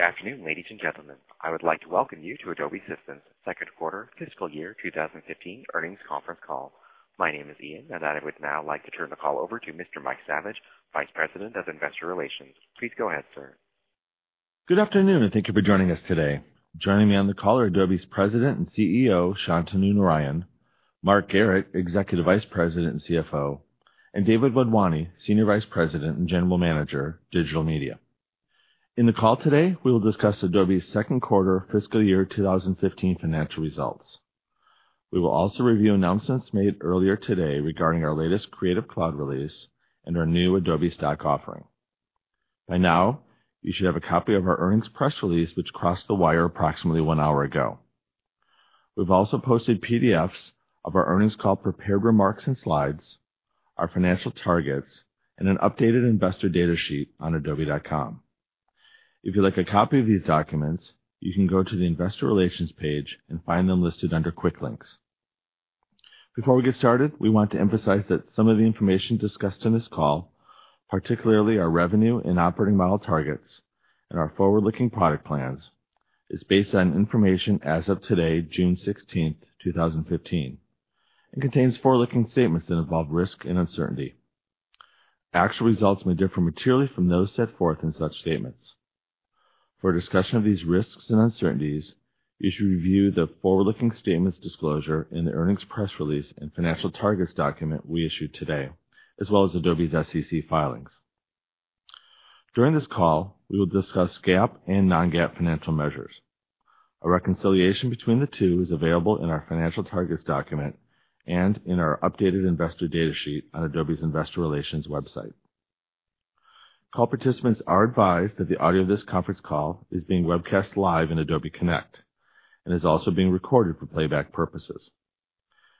Good afternoon, ladies and gentlemen. I would like to welcome you to Adobe Systems' second quarter fiscal year 2015 earnings conference call. My name is Ian, and I would now like to turn the call over to Mr. Mike Saviage, Vice President of Investor Relations. Please go ahead, sir. Good afternoon, and thank you for joining us today. Joining me on the call are Adobe's President and CEO, Shantanu Narayen, Mark Garrett, Executive Vice President and CFO, and David Wadhwani, Senior Vice President and General Manager, Digital Media. In the call today, we will discuss Adobe's second quarter fiscal year 2015 financial results. We will also review announcements made earlier today regarding our latest Creative Cloud release and our new Adobe Stock offering. By now, you should have a copy of our earnings press release, which crossed the wire approximately one hour ago. We've also posted PDFs of our earnings call prepared remarks and slides, our financial targets, and an updated investor data sheet on adobe.com. If you'd like a copy of these documents, you can go to the investor relations page and find them listed under quick links. Before we get started, we want to emphasize that some of the information discussed on this call, particularly our revenue and operating model targets and our forward-looking product plans, is based on information as of today, June 16th, 2015, and contains forward-looking statements that involve risk and uncertainty. Actual results may differ materially from those set forth in such statements. For a discussion of these risks and uncertainties, you should review the forward-looking statements disclosure in the earnings press release and financial targets document we issued today, as well as Adobe's SEC filings. During this call, we will discuss GAAP and non-GAAP financial measures. A reconciliation between the two is available in our financial targets document and in our updated investor data sheet on Adobe's investor relations website. Call participants are advised that the audio of this conference call is being webcast live in Adobe Connect and is also being recorded for playback purposes.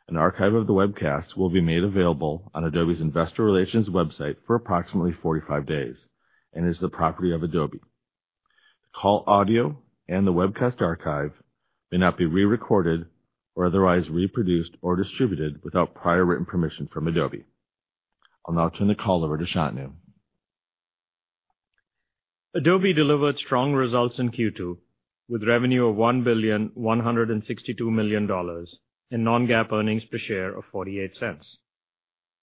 An archive of the webcast will be made available on Adobe's investor relations website for approximately 45 days and is the property of Adobe. The call audio and the webcast archive may not be re-recorded or otherwise reproduced or distributed without prior written permission from Adobe. I'll now turn the call over to Shantanu. Adobe delivered strong results in Q2, with revenue of $1,162,000,000 and non-GAAP earnings per share of $0.48.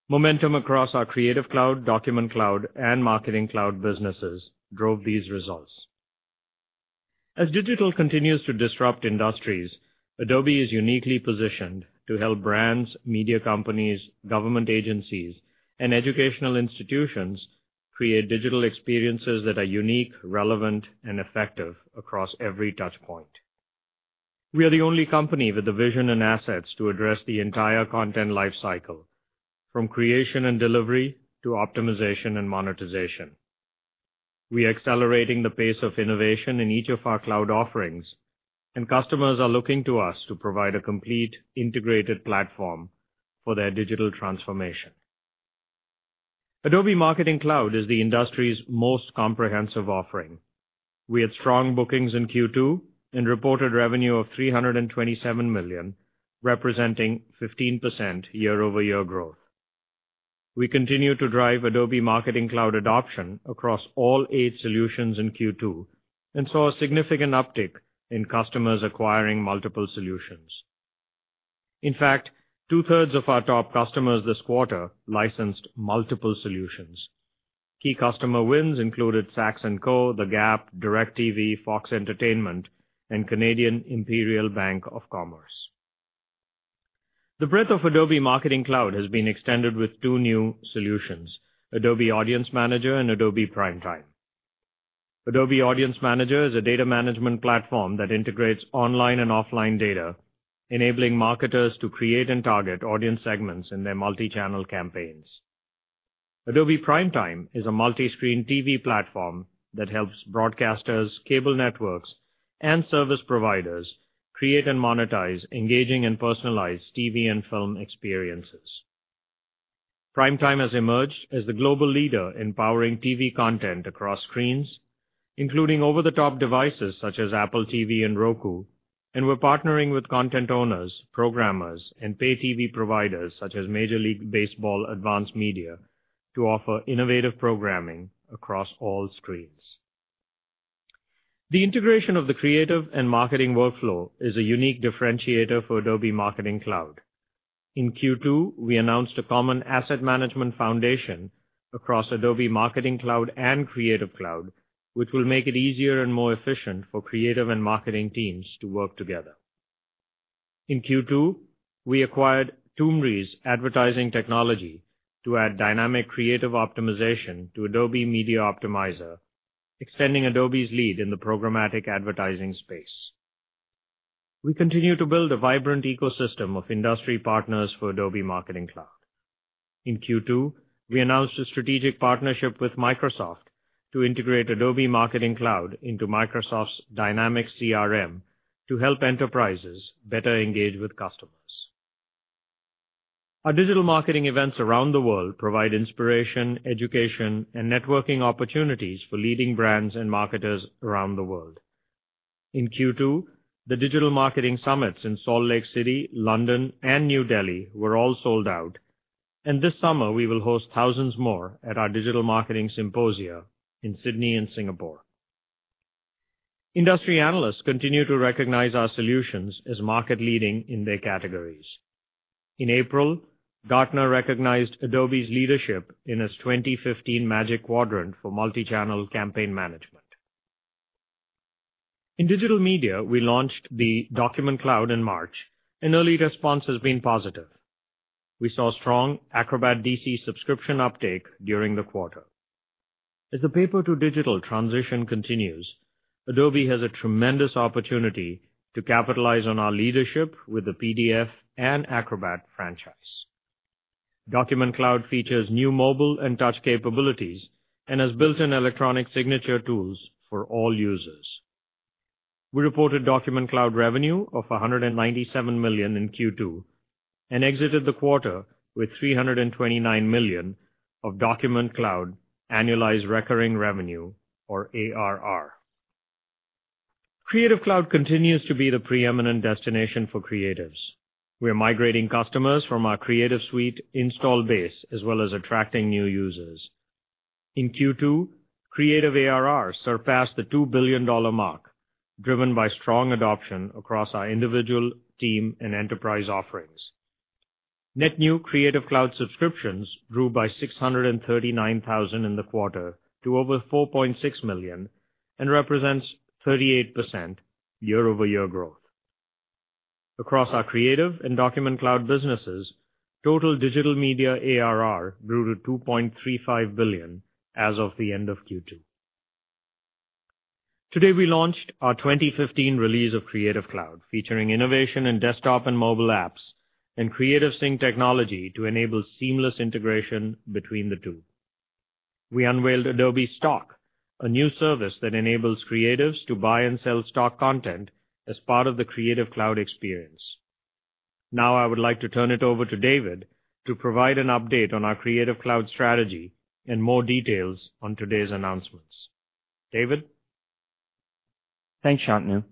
Momentum across our Creative Cloud, Document Cloud, and Marketing Cloud businesses drove these results. As digital continues to disrupt industries, Adobe is uniquely positioned to help brands, media companies, government agencies, and educational institutions create digital experiences that are unique, relevant, and effective across every touch point. We are the only company with the vision and assets to address the entire content life cycle, from creation and delivery to optimization and monetization. We are accelerating the pace of innovation in each of our cloud offerings, and customers are looking to us to provide a complete integrated platform for their digital transformation. Adobe Marketing Cloud is the industry's most comprehensive offering. We had strong bookings in Q2 and reported revenue of $327 million, representing 15% year-over-year growth. We continue to drive Adobe Marketing Cloud adoption across all eight solutions in Q2 and saw a significant uptick in customers acquiring multiple solutions. In fact, two-thirds of our top customers this quarter licensed multiple solutions. Key customer wins included Saks & Company, The Gap, DirecTV, Fox Entertainment Group, and Canadian Imperial Bank of Commerce. The breadth of Adobe Marketing Cloud has been extended with two new solutions, Adobe Audience Manager and Adobe Primetime. Adobe Audience Manager is a data management platform that integrates online and offline data, enabling marketers to create and target audience segments in their multi-channel campaigns. Adobe Primetime is a multi-screen TV platform that helps broadcasters, cable networks, and service providers create and monetize engaging and personalized TV and film experiences. Primetime has emerged as the global leader in powering TV content across screens, including over-the-top devices such as Apple TV and Roku. We're partnering with content owners, programmers, and pay TV providers such as Major League Baseball Advanced Media to offer innovative programming across all screens. The integration of the creative and marketing workflow is a unique differentiator for Adobe Marketing Cloud. In Q2, we announced a common asset management foundation across Adobe Marketing Cloud and Creative Cloud, which will make it easier and more efficient for creative and marketing teams to work together. In Q2, we acquired Tumri's advertising technology to add dynamic creative optimization to Adobe Media Optimizer, extending Adobe's lead in the programmatic advertising space. We continue to build a vibrant ecosystem of industry partners for Adobe Marketing Cloud. In Q2, we announced a strategic partnership with Microsoft to integrate Adobe Marketing Cloud into Microsoft's Dynamics CRM to help enterprises better engage with customers. Our digital marketing events around the world provide inspiration, education, and networking opportunities for leading brands and marketers around the world. In Q2, the digital marketing summits in Salt Lake City, London, and New Delhi were all sold out. This summer, we will host thousands more at our digital marketing symposia in Sydney and Singapore. Industry analysts continue to recognize our solutions as market-leading in their categories. In April, Gartner recognized Adobe's leadership in its 2015 Magic Quadrant for multi-channel campaign management. In Digital Media, we launched the Document Cloud in March, and early response has been positive. We saw strong Acrobat DC subscription uptake during the quarter. As the paper to digital transition continues, Adobe has a tremendous opportunity to capitalize on our leadership with the PDF and Acrobat franchise. Document Cloud features new mobile and touch capabilities and has built-in electronic signature tools for all users. We reported Document Cloud revenue of $197 million in Q2 and exited the quarter with $329 million of Document Cloud annualized recurring revenue, or ARR. Creative Cloud continues to be the preeminent destination for creatives. We are migrating customers from our Creative Suite install base, as well as attracting new users. In Q2, Creative ARR surpassed the $2 billion mark, driven by strong adoption across our individual team and enterprise offerings. Net new Creative Cloud subscriptions grew by 639,000 in the quarter to over 4.6 million and represents 38% year-over-year growth. Across our Creative and Document Cloud businesses, total Digital Media ARR grew to $2.35 billion as of the end of Q2. Today, we launched our 2015 release of Creative Cloud, featuring innovation in desktop and mobile apps and CreativeSync technology to enable seamless integration between the two. We unveiled Adobe Stock, a new service that enables creatives to buy and sell stock content as part of the Creative Cloud experience. Now, I would like to turn it over to David to provide an update on our Creative Cloud strategy and more details on today's announcements. David? Thanks, Shantanu.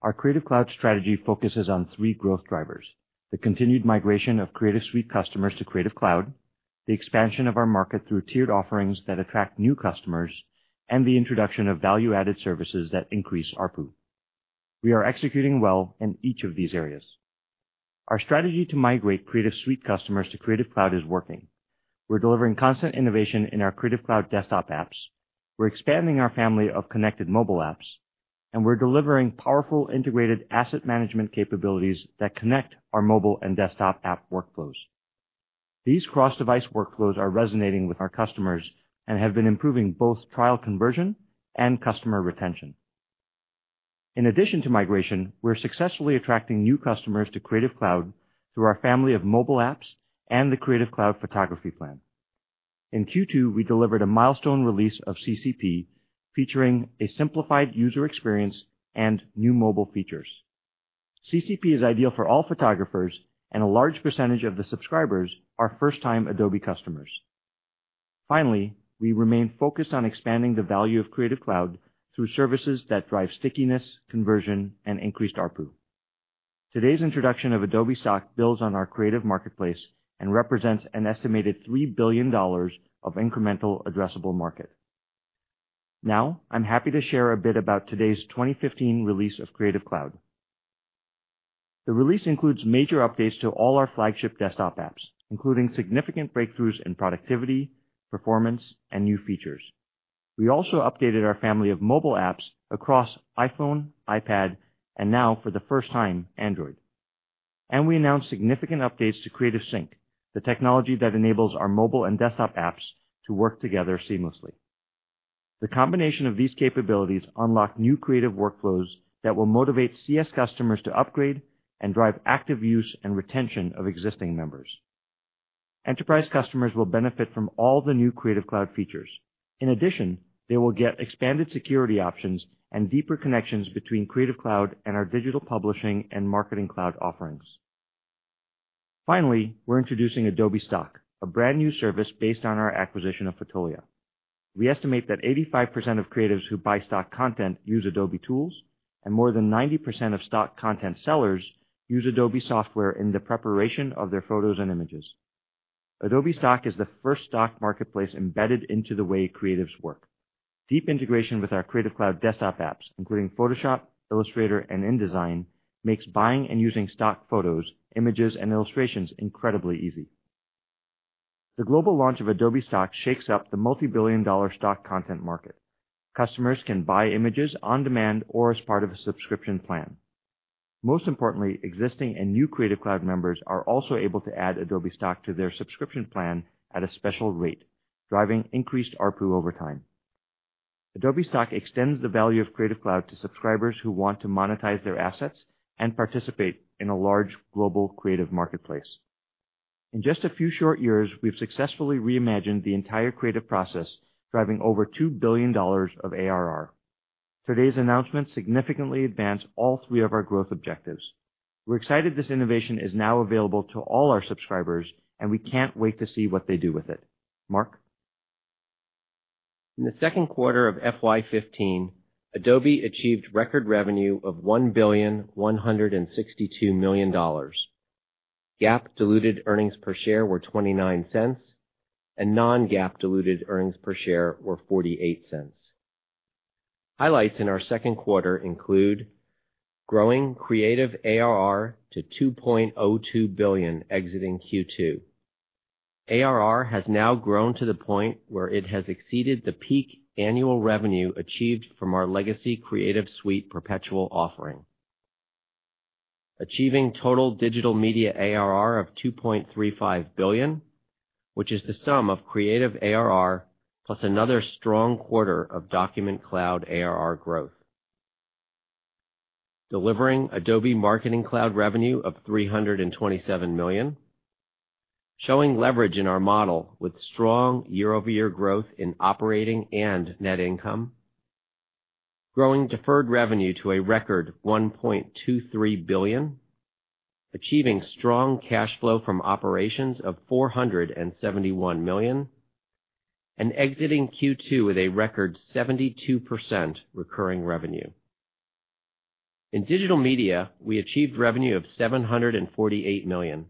Our Creative Cloud strategy focuses on three growth drivers, the continued migration of Creative Suite customers to Creative Cloud, the expansion of our market through tiered offerings that attract new customers, and the introduction of value-added services that increase ARPU. We are executing well in each of these areas. Our strategy to migrate Creative Suite customers to Creative Cloud is working. We're delivering constant innovation in our Creative Cloud desktop apps. We're expanding our family of connected mobile apps, and we're delivering powerful integrated asset management capabilities that connect our mobile and desktop app workflows. These cross-device workflows are resonating with our customers and have been improving both trial conversion and customer retention. In addition to migration, we're successfully attracting new customers to Creative Cloud through our family of mobile apps and the Creative Cloud Photography plan. In Q2, we delivered a milestone release of CCP, featuring a simplified user experience and new mobile features. CCP is ideal for all photographers, and a large percentage of the subscribers are first-time Adobe customers. Finally, we remain focused on expanding the value of Creative Cloud through services that drive stickiness, conversion, and increased ARPU. Today's introduction of Adobe Stock builds on our creative marketplace and represents an estimated $3 billion of incremental addressable market. Now, I'm happy to share a bit about today's 2015 release of Creative Cloud. The release includes major updates to all our flagship desktop apps, including significant breakthroughs in productivity, performance, and new features. We also updated our family of mobile apps across iPhone, iPad, and now for the first time, Android. We announced significant updates to CreativeSync, the technology that enables our mobile and desktop apps to work together seamlessly. The combination of these capabilities unlock new creative workflows that will motivate CS customers to upgrade and drive active use and retention of existing members. Enterprise customers will benefit from all the new Creative Cloud features. In addition, they will get expanded security options and deeper connections between Creative Cloud and our digital publishing and Marketing Cloud offerings. Finally, we're introducing Adobe Stock, a brand-new service based on our acquisition of Fotolia. We estimate that 85% of creatives who buy stock content use Adobe tools, and more than 90% of stock content sellers use Adobe software in the preparation of their photos and images. Adobe Stock is the first stock marketplace embedded into the way creatives work. Deep integration with our Creative Cloud desktop apps, including Photoshop, Illustrator, and InDesign, makes buying and using stock photos, images, and illustrations incredibly easy. The global launch of Adobe Stock shakes up the multibillion-dollar stock content market. Customers can buy images on demand or as part of a subscription plan. Most importantly, existing and new Creative Cloud members are also able to add Adobe Stock to their subscription plan at a special rate, driving increased ARPU over time. Adobe Stock extends the value of Creative Cloud to subscribers who want to monetize their assets and participate in a large global creative marketplace. In just a few short years, we've successfully reimagined the entire creative process, driving over $2 billion of ARR. Today's announcements significantly advance all three of our growth objectives. We're excited this innovation is now available to all our subscribers. We can't wait to see what they do with it. Mark? In the second quarter of FY 2015, Adobe achieved record revenue of $1.162 billion. GAAP diluted earnings per share were $0.29, and non-GAAP diluted earnings per share were $0.48. Highlights in our second quarter include growing Creative ARR to $2.02 billion exiting Q2. ARR has now grown to the point where it has exceeded the peak annual revenue achieved from our legacy Creative Suite perpetual offering. Achieving total Digital Media ARR of $2.35 billion, which is the sum of Creative ARR plus another strong quarter of Document Cloud ARR growth. Delivering Adobe Marketing Cloud revenue of $327 million. Showing leverage in our model with strong year-over-year growth in operating and net income. Growing deferred revenue to a record $1.23 billion. Achieving strong cash flow from operations of $471 million. Exiting Q2 with a record 72% recurring revenue. In Digital Media, we achieved revenue of $748 million.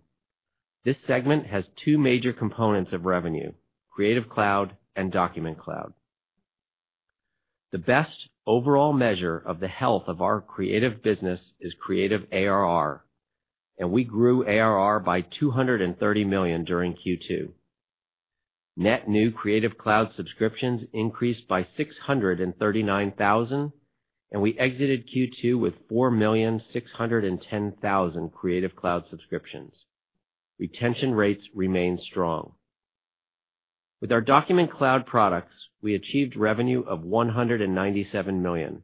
This segment has two major components of revenue, Creative Cloud and Document Cloud. The best overall measure of the health of our creative business is Creative ARR. We grew ARR by $230 million during Q2. Net new Creative Cloud subscriptions increased by 639,000. We exited Q2 with 4,610,000 Creative Cloud subscriptions. Retention rates remain strong. With our Document Cloud products, we achieved revenue of $197 million.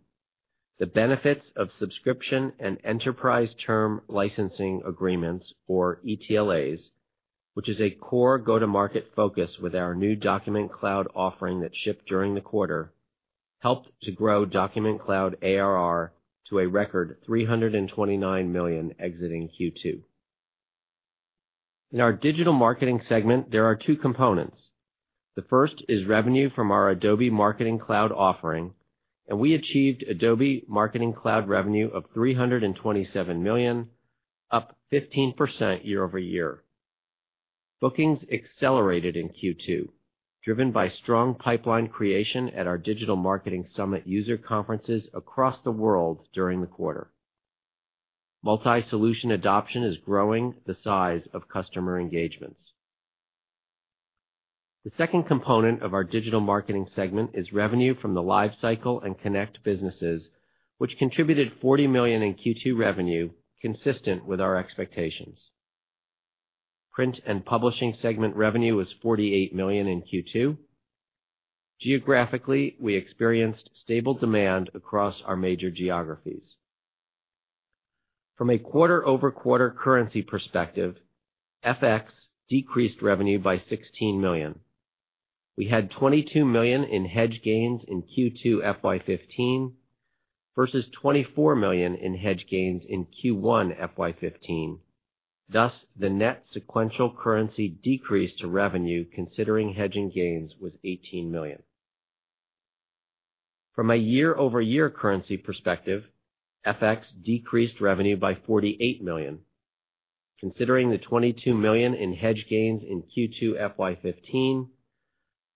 The benefits of subscription and Enterprise Term License Agreements, or ETLAs, which is a core go-to-market focus with our new Document Cloud offering that shipped during the quarter, helped to grow Document Cloud ARR to a record $329 million exiting Q2. In our digital marketing segment, there are two components. The first is revenue from our Adobe Marketing Cloud offering. We achieved Adobe Marketing Cloud revenue of $327 million, up 15% year-over-year. Bookings accelerated in Q2, driven by strong pipeline creation at our Adobe Digital Marketing Summit user conferences across the world during the quarter. Multi-solution adoption is growing the size of customer engagements. The second component of our Digital Marketing segment is revenue from the LiveCycle and Adobe Connect businesses, which contributed $40 million in Q2 revenue, consistent with our expectations. Print and Publishing segment revenue was $48 million in Q2. Geographically, we experienced stable demand across our major geographies. From a quarter-over-quarter currency perspective, FX decreased revenue by $16 million. We had $22 million in hedge gains in Q2 FY 2015 versus $24 million in hedge gains in Q1 FY 2015. The net sequential currency decrease to revenue considering hedging gains was $18 million. From a year-over-year currency perspective, FX decreased revenue by $48 million. Considering the $22 million in hedge gains in Q2 FY 2015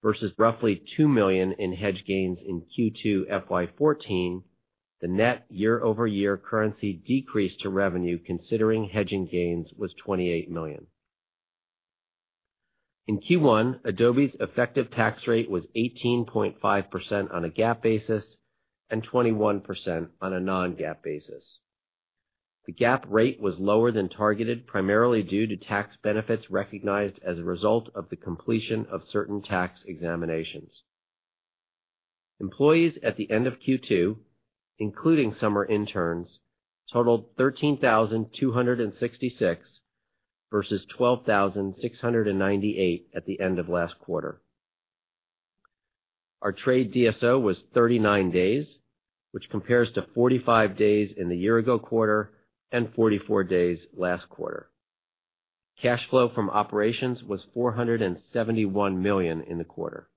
versus roughly $2 million in hedge gains in Q2 FY 2014, the net year-over-year currency decrease to revenue considering hedging gains was $28 million. In Q1, Adobe's effective tax rate was 18.5% on a GAAP basis and 21% on a non-GAAP basis. The GAAP rate was lower than targeted, primarily due to tax benefits recognized as a result of the completion of certain tax examinations. Employees at the end of Q2, including summer interns, totaled 13,266 versus 12,698 at the end of last quarter. Our trade DSO was 39 days, which compares to 45 days in the year-ago quarter and 44 days last quarter. Cash flow from operations was $471 million in the quarter.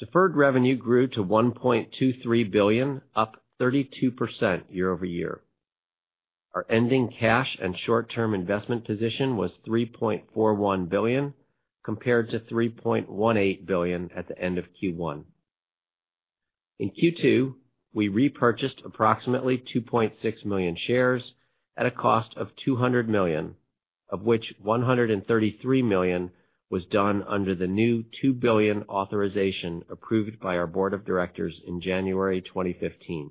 Deferred revenue grew to $1.23 billion, up 32% year-over-year. Our ending cash and short-term investment position was $3.41 billion, compared to $3.18 billion at the end of Q1. In Q2, we repurchased approximately 2.6 million shares at a cost of $200 million, of which $133 million was done under the new $2 billion authorization approved by our board of directors in January 2015.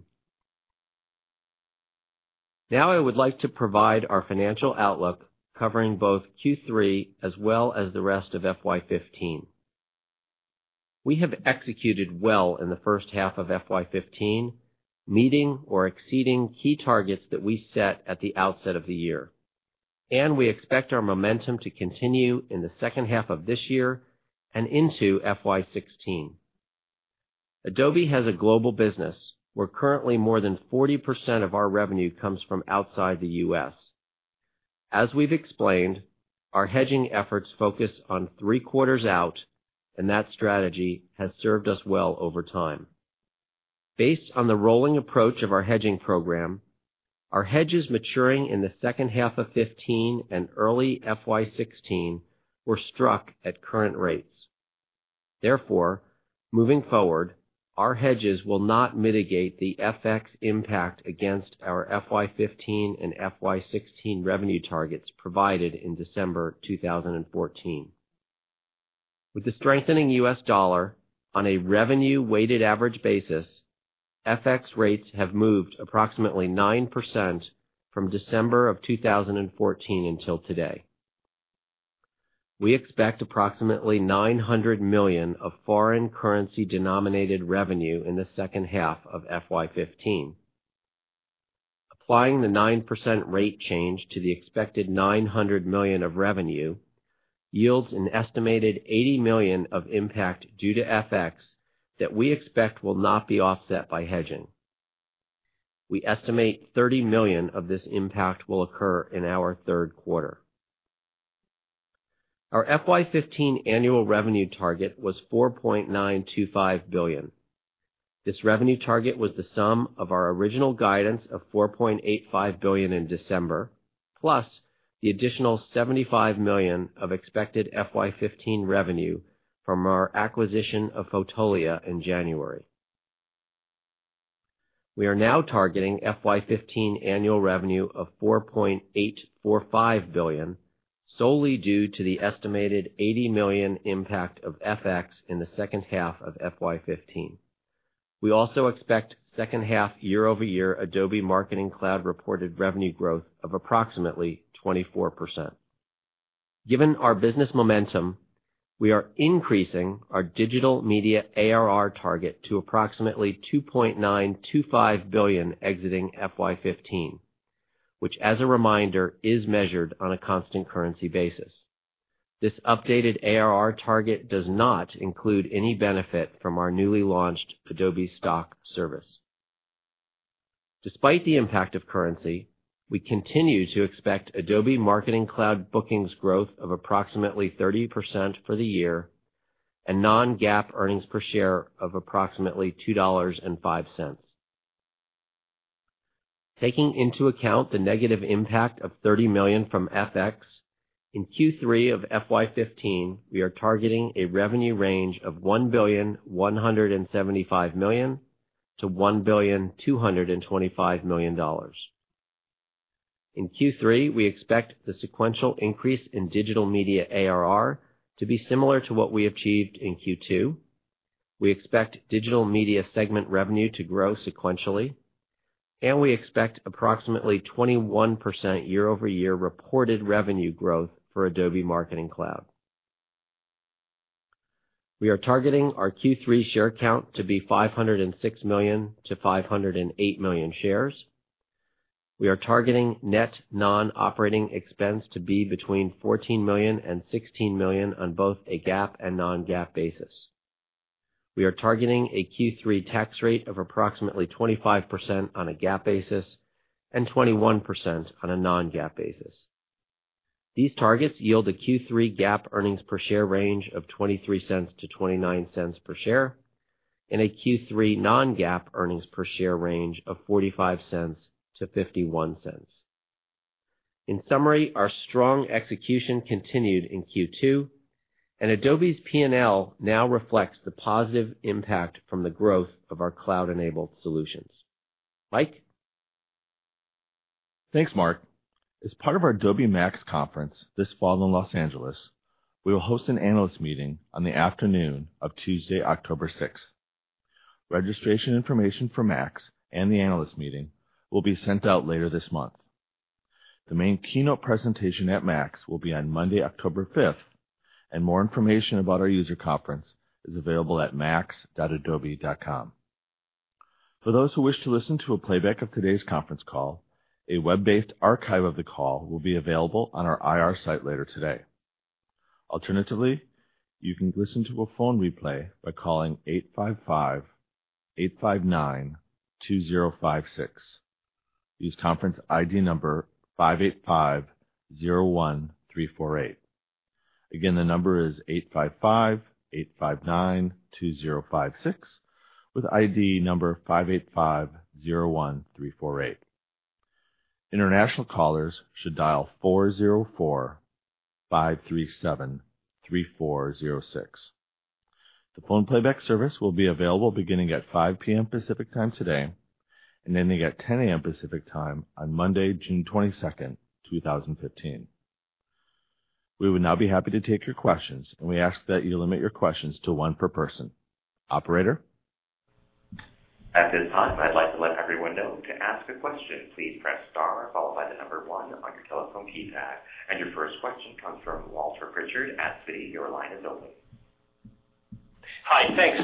I would like to provide our financial outlook covering both Q3 as well as the rest of FY 2015. We have executed well in the first half of FY 2015, meeting or exceeding key targets that we set at the outset of the year. We expect our momentum to continue in the second half of this year and into FY 2016. Adobe has a global business where currently more than 40% of our revenue comes from outside the U.S. As we've explained, our hedging efforts focus on three quarters out, and that strategy has served us well over time. Based on the rolling approach of our hedging program, our hedges maturing in the second half of 2015 and early FY 2016 were struck at current rates. Moving forward, our hedges will not mitigate the FX impact against our FY 2015 and FY 2016 revenue targets provided in December 2014. With the strengthening U.S. dollar on a revenue-weighted average basis, FX rates have moved approximately 9% from December of 2014 until today. We expect approximately $900 million of foreign currency denominated revenue in the second half of FY 2015. Applying the 9% rate change to the expected $900 million of revenue yields an estimated $80 million of impact due to FX that we expect will not be offset by hedging. We estimate $30 million of this impact will occur in our third quarter. Our FY 2015 annual revenue target was $4.925 billion. This revenue target was the sum of our original guidance of $4.85 billion in December, plus the additional $75 million of expected FY 2015 revenue from our acquisition of Fotolia in January. We are now targeting FY 2015 annual revenue of $4.845 billion solely due to the estimated $80 million impact of FX in the second half of FY 2015. We also expect second half year-over-year Adobe Marketing Cloud reported revenue growth of approximately 24%. Given our business momentum, we are increasing our Digital Media ARR target to approximately $2.925 billion exiting FY 2015, which as a reminder, is measured on a constant currency basis. This updated ARR target does not include any benefit from our newly launched Adobe Stock service. Despite the impact of currency, we continue to expect Adobe Marketing Cloud bookings growth of approximately 30% for the year and non-GAAP earnings per share of approximately $2.05. Taking into account the negative impact of $30 million from FX, in Q3 of FY 2015, we are targeting a revenue range of $1.175 billion-$1.225 billion. In Q3, we expect the sequential increase in Digital Media ARR to be similar to what we achieved in Q2. We expect Digital Media segment revenue to grow sequentially, and we expect approximately 21% year-over-year reported revenue growth for Adobe Marketing Cloud. We are targeting our Q3 share count to be 506 million-508 million shares. We are targeting net non-operating expense to be between $14 million and $16 million on both a GAAP and non-GAAP basis. We are targeting a Q3 tax rate of approximately 25% on a GAAP basis and 21% on a non-GAAP basis. These targets yield a Q3 GAAP earnings per share range of $0.23-$0.29 per share and a Q3 non-GAAP earnings per share range of $0.45-$0.51. In summary, our strong execution continued in Q2, and Adobe's P&L now reflects the positive impact from the growth of our cloud-enabled solutions. Mike? Thanks, Mark. As part of our Adobe MAX conference this fall in L.A., we will host an analyst meeting on the afternoon of Tuesday, October 6th. Registration information for MAX and the analyst meeting will be sent out later this month. The main keynote presentation at MAX will be on Monday, October 5th, and more information about our user conference is available at max.adobe.com. For those who wish to listen to a playback of today's conference call, a web-based archive of the call will be available on our IR site later today. Alternatively, you can listen to a phone replay by calling 855-859-2056. Use conference ID number 58501348. Again, the number is 855-859-2056 with ID number 58501348. International callers should dial 404-537-3406. The phone playback service will be available beginning at 5:00 P.M. Pacific Time today and ending at 10:00 A.M. Pacific Time on Monday, June 22nd, 2015. We would now be happy to take your questions. We ask that you limit your questions to one per person. Operator? At this time, I'd like to let everyone know to ask a question, please press star followed by the number one on your telephone keypad. Your first question comes from Walter Pritchard at Citi. Your line is open. Hi, thanks.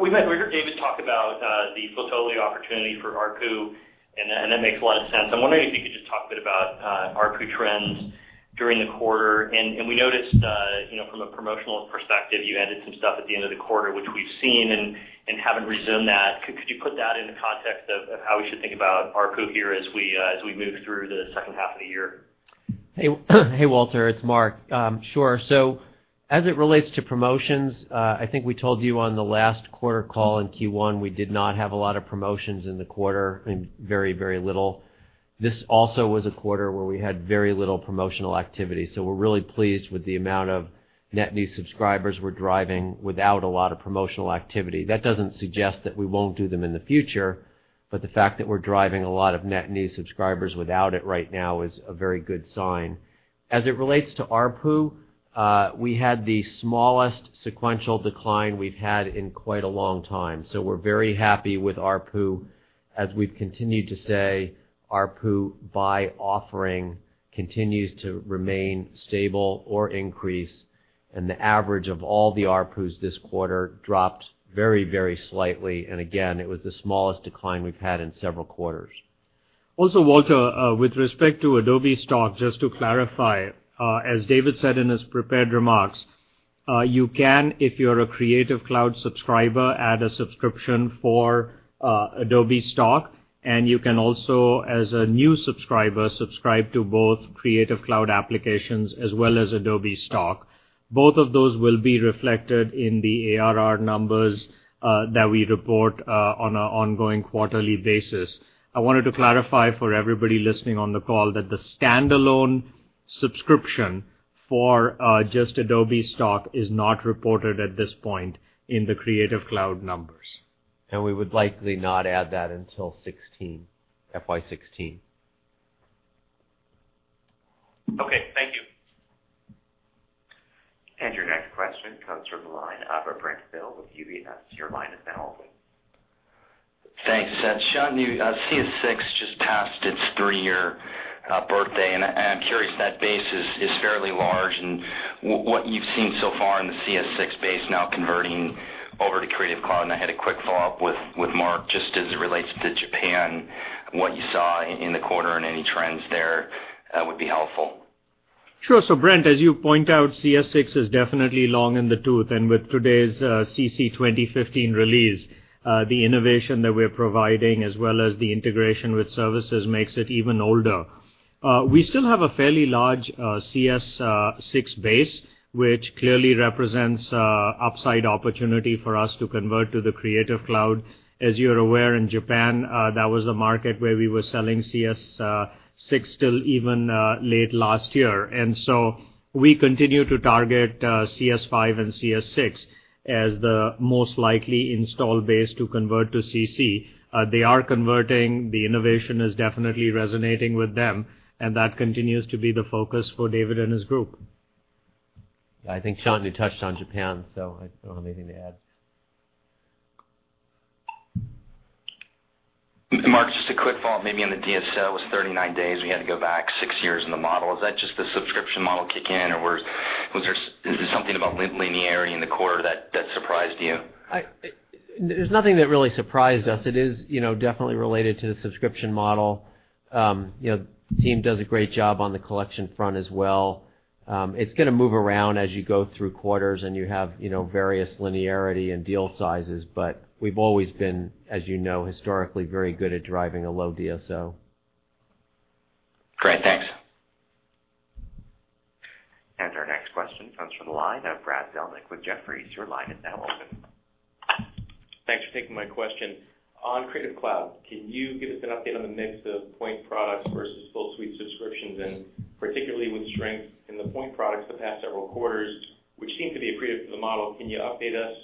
We heard David talk about the Fotolia opportunity for ARPU. That makes a lot of sense. I'm wondering if you could just talk a bit about ARPU trends During the quarter. We noticed from a promotional perspective, you added some stuff at the end of the quarter, which we've seen and haven't resumed that. Could you put that into context of how we should think about ARPU here as we move through the second half of the year? Hey, Walter, it's Mark. Sure. As it relates to promotions, I think we told you on the last quarter call in Q1, we did not have a lot of promotions in the quarter, very little. This also was a quarter where we had very little promotional activity. We're really pleased with the amount of net new subscribers we're driving without a lot of promotional activity. That doesn't suggest that we won't do them in the future, but the fact that we're driving a lot of net new subscribers without it right now is a very good sign. As it relates to ARPU, we had the smallest sequential decline we've had in quite a long time. We're very happy with ARPU. As we've continued to say, ARPU by offering continues to remain stable or increase, and the average of all the ARPUs this quarter dropped very slightly. Again, it was the smallest decline we've had in several quarters. Also, Walter, with respect to Adobe Stock, just to clarify, as David said in his prepared remarks, you can, if you're a Creative Cloud subscriber, add a subscription for Adobe Stock, and you can also, as a new subscriber, subscribe to both Creative Cloud applications as well as Adobe Stock. Both of those will be reflected in the ARR numbers that we report on an ongoing quarterly basis. I wanted to clarify for everybody listening on the call that the standalone subscription for just Adobe Stock is not reported at this point in the Creative Cloud numbers. We would likely not add that until FY 2016. Okay, thank you. Your next question comes from the line of Brent Thill with UBS. Your line is now open. Thanks. Shantanu, CS6 just passed its three-year birthday, and I'm curious, that base is fairly large, and what you've seen so far in the CS6 base now converting over to Creative Cloud. I had a quick follow-up with Mark, just as it relates to Japan, what you saw in the quarter and any trends there would be helpful. Sure. Brent, as you point out, CS6 is definitely long in the tooth. With today's CC 2015 release, the innovation that we're providing, as well as the integration with services, makes it even older. We still have a fairly large CS6 base, which clearly represents upside opportunity for us to convert to the Creative Cloud. As you're aware, in Japan, that was a market where we were selling CS6 till even late last year. We continue to target CS5 and CS6 as the most likely install base to convert to CC. They are converting. The innovation is definitely resonating with them, and that continues to be the focus for David and his group. I think Shantanu touched on Japan, so I don't have anything to add. Mark, just a quick follow-up. Maybe on the DSO was 39 days. We had to go back six years in the model. Is that just the subscription model kick in, or is there something about linearity in the quarter that surprised you? There's nothing that really surprised us. It is definitely related to the subscription model. The team does a great job on the collection front as well. It's going to move around as you go through quarters and you have various linearity and deal sizes. We've always been, as you know, historically very good at driving a low DSO. Great. Thanks. Our next question comes from the line of Brad Zelnick with Jefferies. Your line is now open. Thanks for taking my question. On Creative Cloud, can you give us an update on the mix of point products versus full suite subscriptions? Particularly with strength in the point products the past several quarters, which seem to be accretive to the model, can you update us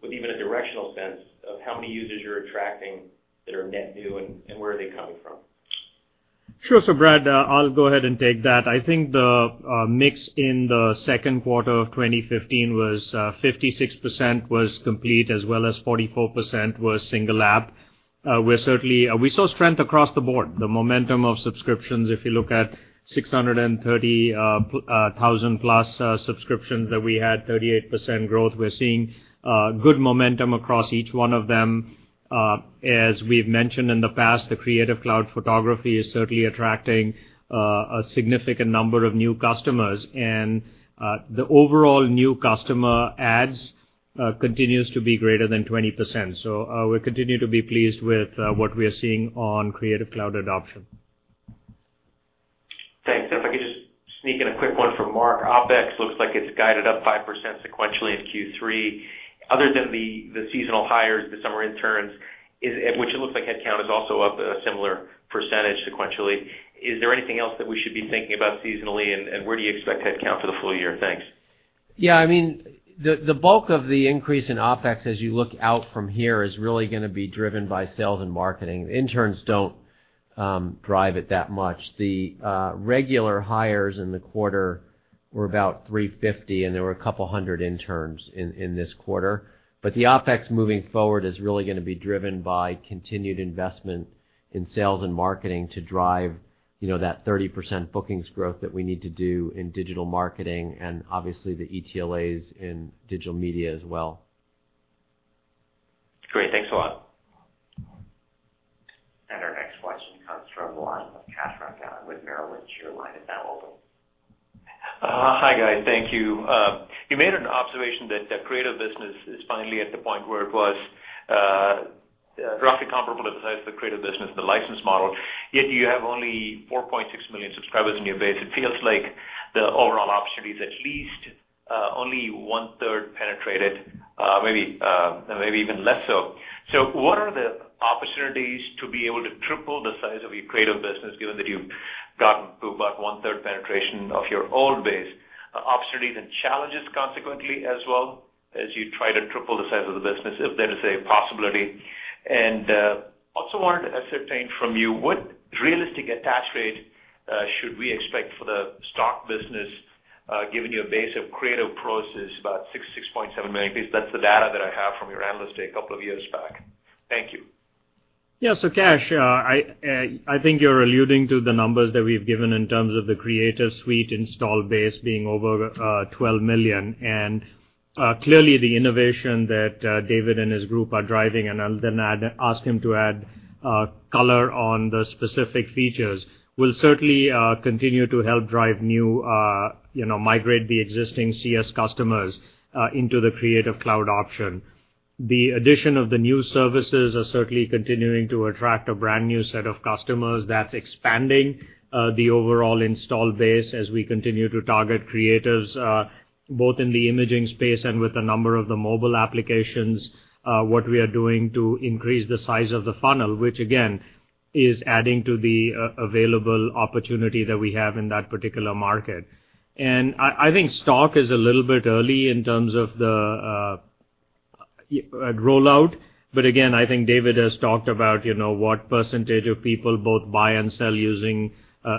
with even a directional sense of how many users you're attracting that are net new, and where are they coming from? Sure. Brad, I'll go ahead and take that. I think the mix in the second quarter of 2015 was 56% was complete, as well as 44% was single app. We saw strength across the board. The momentum of subscriptions, if you look at 630,000-plus subscriptions that we had 38% growth. We're seeing good momentum across each one of them. As we've mentioned in the past, the Creative Cloud Photography is certainly attracting a significant number of new customers, and the overall new customer adds continues to be greater than 20%. We continue to be pleased with what we are seeing on Creative Cloud adoption. Thanks. If I could just sneak in a quick one for Mark. OPEX looks like it's guided up 5% sequentially in Q3. Other than the seasonal hires, the summer interns, which it looks like headcount is also up a similar percentage sequentially. Is there anything else that we should be thinking about seasonally, and where do you expect headcount for the full year? Thanks. Yeah, the bulk of the increase in OPEX as you look out from here is really going to be driven by sales and marketing. Interns don't drive it that much. The regular hires in the quarter were about 350, and there were a couple of hundred interns in this quarter. The OPEX moving forward is really going to be driven by continued investment in sales and marketing to drive that 30% bookings growth that we need to do in digital marketing and obviously the ETLAs in Digital Media as well. Great. Thanks a lot. Next question comes from the line of Kash Rangan with Merrill Lynch. Your line is now open. Hi, guys. Thank you. You made an observation that the Creative business is finally at the point where it was roughly comparable in the size of the Creative business, the license model, yet you have only 4.6 million subscribers in your base. It feels like the overall opportunity is at least only one-third penetrated, maybe even less so. What are the opportunities to be able to triple the size of your Creative business, given that you've gotten to about one-third penetration of your old base? Opportunities and challenges consequently as well as you try to triple the size of the business, if that is a possibility. Also wanted to ascertain from you what realistic attach rate should we expect for the Adobe Stock business, given your base of Creative Cloud, about 6.7 million. That's the data that I have from your Analyst Day a couple of years back. Thank you. Kash, I think you're alluding to the numbers that we've given in terms of the Creative Suite install base being over $12 million. Clearly the innovation that David and his group are driving, and I'll then ask him to add color on the specific features, will certainly continue to help drive new, migrate the existing CS customers into the Creative Cloud option. The addition of the new services are certainly continuing to attract a brand new set of customers that's expanding the overall install base as we continue to target creatives, both in the imaging space and with a number of the mobile applications, what we are doing to increase the size of the funnel, which again, is adding to the available opportunity that we have in that particular market. I think Stock is a little bit early in terms of the rollout. Again, I think David has talked about what percentage of people both buy and sell using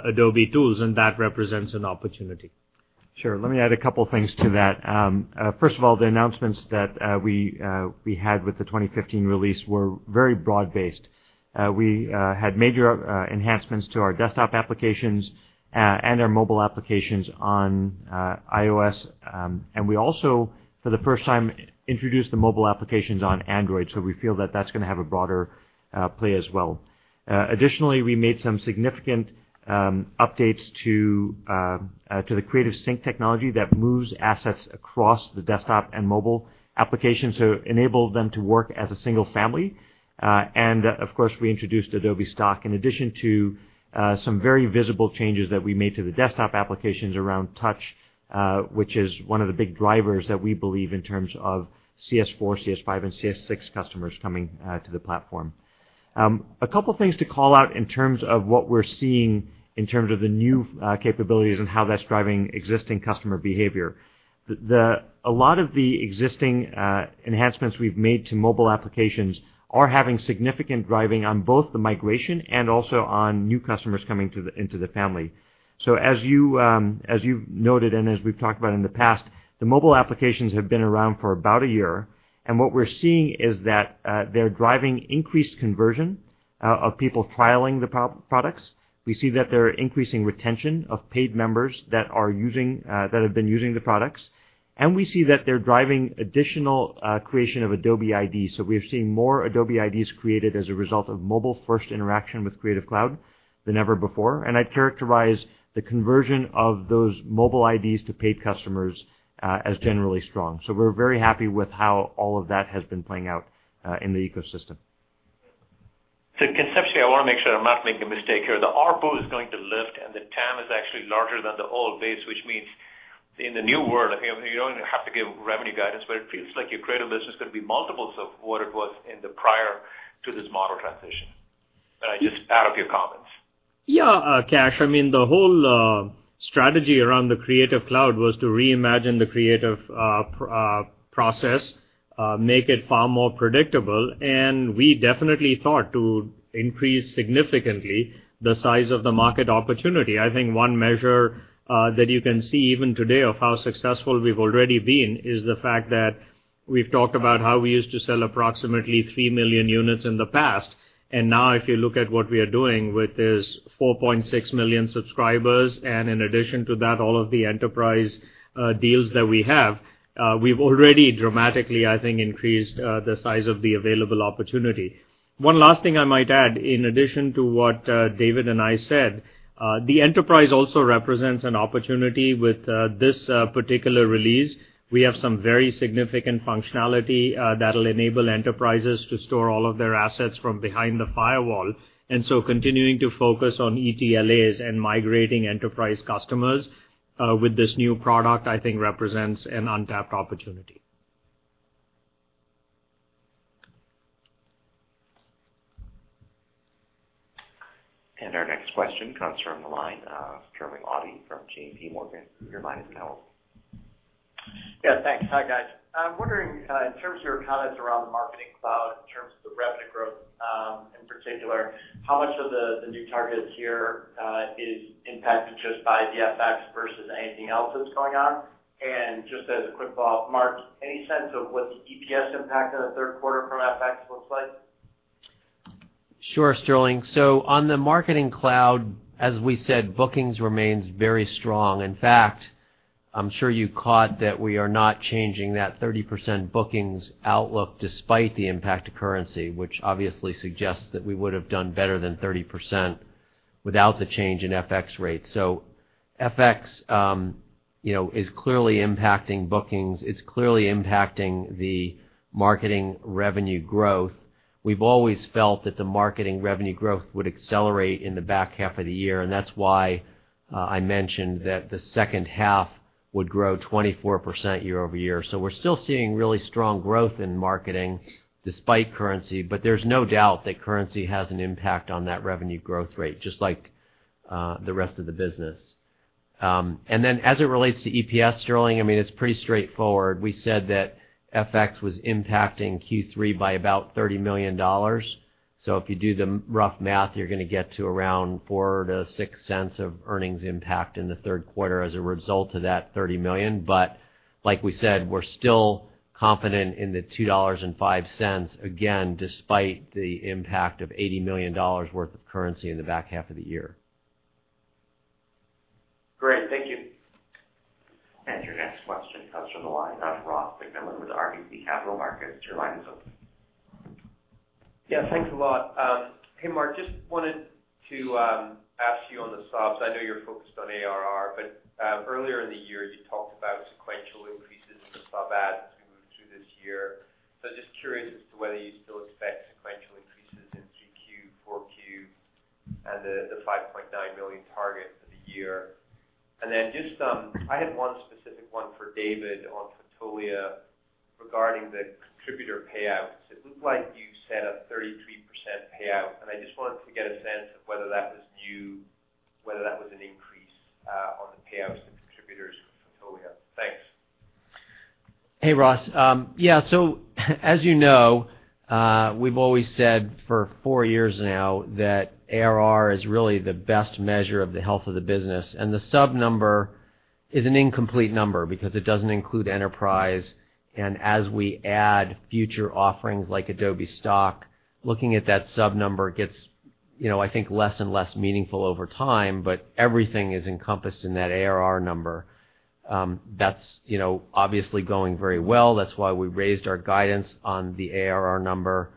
Adobe tools, and that represents an opportunity. Sure. Let me add a couple things to that. First of all, the announcements that we had with the 2015 release were very broad-based. We had major enhancements to our desktop applications and our mobile applications on iOS. We also, for the first time, introduced the mobile applications on Android. We feel that that's going to have a broader play as well. Additionally, we made some significant updates to the CreativeSync technology that moves assets across the desktop and mobile applications to enable them to work as a single family. Of course, we introduced Adobe Stock in addition to some very visible changes that we made to the desktop applications around touch, which is one of the big drivers that we believe in terms of CS4, CS5, and CS6 customers coming to the platform. A couple things to call out in terms of what we're seeing in terms of the new capabilities and how that's driving existing customer behavior. A lot of the existing enhancements we've made to mobile applications are having significant driving on both the migration and also on new customers coming into the family. As you've noted, and as we've talked about in the past, the mobile applications have been around for about a year. What we're seeing is that they're driving increased conversion of people trialing the products. We see that they're increasing retention of paid members that have been using the products. We see that they're driving additional creation of Adobe IDs. We are seeing more Adobe IDs created as a result of mobile-first interaction with Creative Cloud than ever before. I'd characterize the conversion of those mobile IDs to paid customers as generally strong. We're very happy with how all of that has been playing out in the ecosystem. Conceptually, I want to make sure I'm not making a mistake here. The ARPU is going to lift and the TAM is actually larger than the old base, which means in the new world, I think you don't even have to give revenue guidance, but it feels like your Creative business could be multiples of what it was in the prior to this model transition. I just add up your comments. Yeah. Kash, I mean, the whole strategy around the Creative Cloud was to reimagine the creative process, make it far more predictable. We definitely thought to increase significantly the size of the market opportunity. I think one measure that you can see even today of how successful we've already been is the fact that we've talked about how we used to sell approximately 3 million units in the past. Now if you look at what we are doing with this 4.6 million subscribers, and in addition to that, all of the enterprise deals that we have, we've already dramatically, I think, increased the size of the available opportunity. One last thing I might add, in addition to what David and I said, the enterprise also represents an opportunity with this particular release. We have some very significant functionality that'll enable enterprises to store all of their assets from behind the firewall. Continuing to focus on ETLAs and migrating enterprise customers with this new product, I think represents an untapped opportunity. Our next question comes from the line of Sterling Auty from JPMorgan. Your line is now open. Yeah, thanks. Hi, guys. I'm wondering in terms of your comments around the Marketing Cloud, in terms of the revenue growth in particular, how much of the new targets here is impacted just by the FX versus anything else that's going on? Just as a quick follow-up, Mark, any sense of what the EPS impact on the third quarter from FX looks like? Sure, Sterling. On the Marketing Cloud, as we said, bookings remains very strong. I'm sure you caught that we are not changing that 30% bookings outlook despite the impact of currency, which obviously suggests that we would've done better than 30% without the change in FX rates. FX is clearly impacting bookings. It's clearly impacting the marketing revenue growth. We've always felt that the marketing revenue growth would accelerate in the back half of the year, and that's why I mentioned that the second half would grow 24% year-over-year. We're still seeing really strong growth in marketing despite currency, but there's no doubt that currency has an impact on that revenue growth rate, just like the rest of the business. As it relates to EPS, Sterling, it's pretty straightforward. We said that FX was impacting Q3 by about $30 million. If you do the rough math, you're going to get to around $0.04-$0.06 of earnings impact in the third quarter as a result of that $30 million. Like we said, we're still confident in the $2.05, again, despite the impact of $80 million worth of currency in the back half of the year. Great. Thank you. Your next question comes from the line of Ross MacMillan with RBC Capital Markets. Your line is open. Yeah, thanks a lot. Hey, Mark, just wanted to ask you on the subs. I know you're focused on ARR. Earlier in the year, you talked about sequential increases in the sub adds as we move through this year. Just curious as to whether you still expect sequential increases in 3Q, 4Q, and the 5.9 million target for the year. I had one specific one for David on Fotolia regarding the contributor payouts. It looked like you set a 33% payout, and I just wanted to get a sense of whether that was new, whether that was an increase on the payouts to contributors for Fotolia. Thanks. Hey, Ross. Yeah, as you know, we've always said for four years now that ARR is really the best measure of the health of the business. The sub number is an incomplete number because it doesn't include enterprise, and as we add future offerings like Adobe Stock, looking at that sub number, it gets, I think, less and less meaningful over time, but everything is encompassed in that ARR number. That's obviously going very well. That's why we raised our guidance on the ARR number,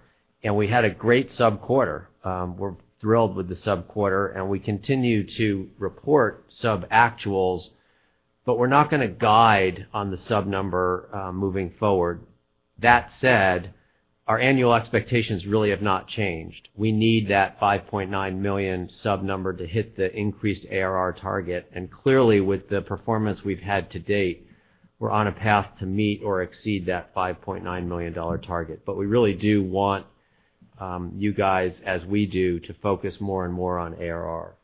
and we had a great sub quarter. We're thrilled with the sub quarter, and we continue to report sub actuals, but we're not going to guide on the sub number moving forward. That said, our annual expectations really have not changed. We need that 5.9 million sub number to hit the increased ARR target, and clearly, with the performance we've had to date, we're on a path to meet or exceed that $5.9 million target. We really do want you guys, as we do, to focus more and more on ARR.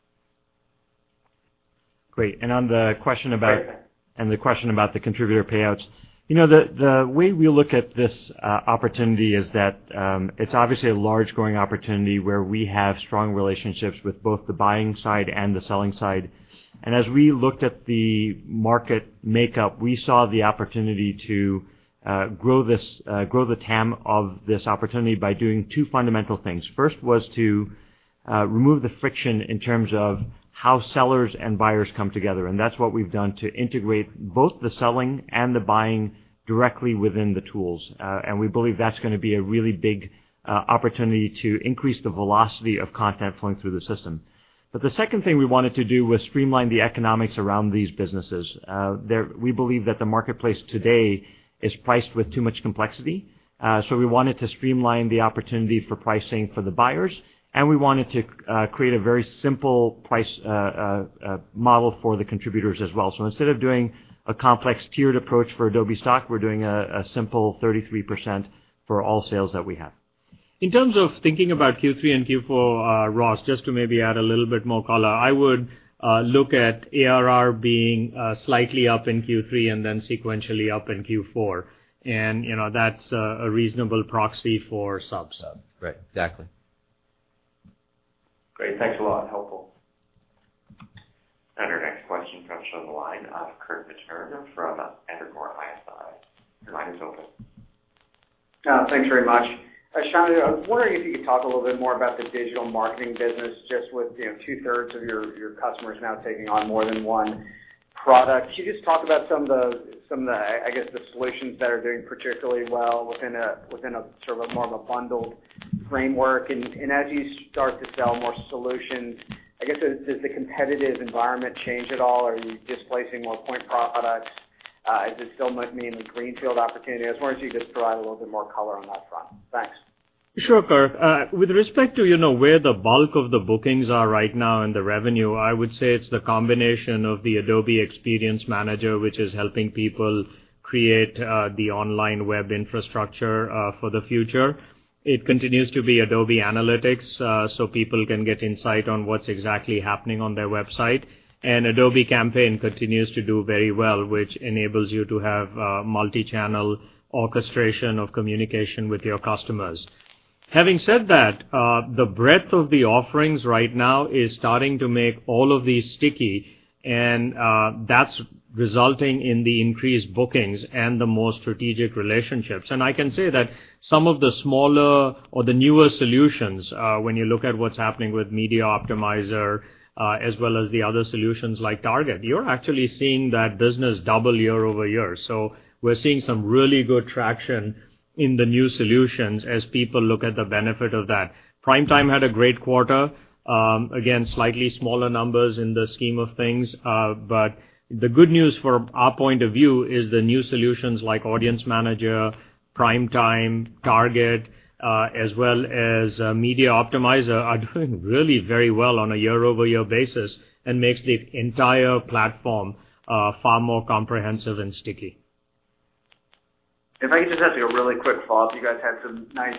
Great, on the question about- Great The question about the contributor payouts. The way we look at this opportunity is that it's obviously a large growing opportunity where we have strong relationships with both the buying side and the selling side. As we looked at the market makeup, we saw the opportunity to grow the TAM of this opportunity by doing two fundamental things. First was to remove the friction in terms of how sellers and buyers come together, and that's what we've done to integrate both the selling and the buying directly within the tools. We believe that's going to be a really big opportunity to increase the velocity of content flowing through the system. The second thing we wanted to do was streamline the economics around these businesses. We believe that the marketplace today is priced with too much complexity. We wanted to streamline the opportunity for pricing for the buyers, and we wanted to create a very simple price model for the contributors as well. Instead of doing a complex tiered approach for Adobe Stock, we're doing a simple 33% for all sales that we have. In terms of thinking about Q3 and Q4, Ross, just to maybe add a little bit more color, I would look at ARR being slightly up in Q3 and then sequentially up in Q4. That's a reasonable proxy for sub. Right. Exactly. Great. Thanks a lot. Helpful. Our next question comes from the line of Kirk Materne from Evercore ISI. Your line is open. Thanks very much. Shantanu, I was wondering if you could talk a little bit more about the digital marketing business, just with two-thirds of your customers now taking on more than one product. Can you just talk about some of the, I guess, the solutions that are doing particularly well within a sort of more of a bundled framework? As you start to sell more solutions, I guess, does the competitive environment change at all? Are you displacing more point products? Is it still mainly a greenfield opportunity? I was wondering if you could just provide a little bit more color on that front. Thanks. Sure, Kirk. With respect to where the bulk of the bookings are right now in the revenue, I would say it's the combination of the Adobe Experience Manager, which is helping people create the online web infrastructure for the future. It continues to be Adobe Analytics, so people can get insight on what's exactly happening on their website. Adobe Campaign continues to do very well, which enables you to have multi-channel orchestration of communication with your customers. Having said that, the breadth of the offerings right now is starting to make all of these sticky, and that's resulting in the increased bookings and the more strategic relationships. I can say that some of the smaller or the newer solutions, when you look at what's happening with Media Optimizer as well as the other solutions like Target, you're actually seeing that business double year-over-year. We're seeing some really good traction in the new solutions as people look at the benefit of that. Primetime had a great quarter. Again, slightly smaller numbers in the scheme of things. The good news from our point of view is the new solutions like Audience Manager, Primetime, Target, as well as Media Optimizer, are doing really very well on a year-over-year basis and makes the entire platform far more comprehensive and sticky. If I could just ask you a really quick follow-up. You guys had some nice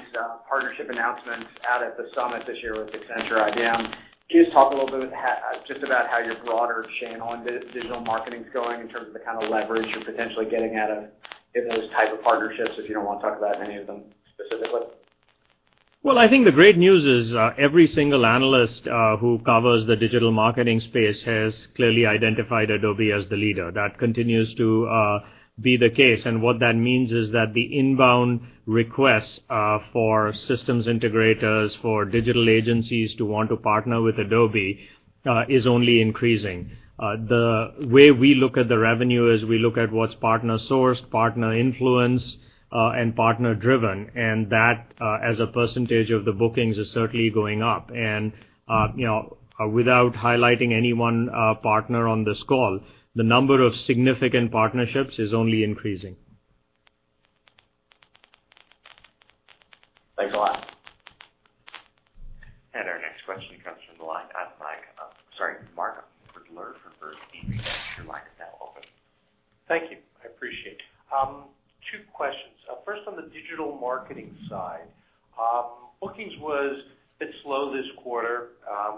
partnership announcements out at the summit this year with Accenture. IBM. Can you just talk a little bit, just about how your broader channel and digital marketing is going in terms of the kind of leverage you're potentially getting out of in those type of partnerships, if you don't want to talk about any of them specifically? Well, I think the great news is every single analyst who covers the digital marketing space has clearly identified Adobe as the leader. That continues to be the case. What that means is that the inbound requests for systems integrators, for digital agencies to want to partner with Adobe is only increasing. The way we look at the revenue is we look at what's partner-sourced, partner-influenced, and partner-driven, and that as a percentage of the bookings is certainly going up. Without highlighting any one partner on this call, the number of significant partnerships is only increasing. Thanks a lot. Our next question comes from the line of Mark Moerdler from Bernstein. Your line is now open. Thank you. I appreciate it. Two questions. First, on the digital marketing side, bookings was a bit slow this quarter.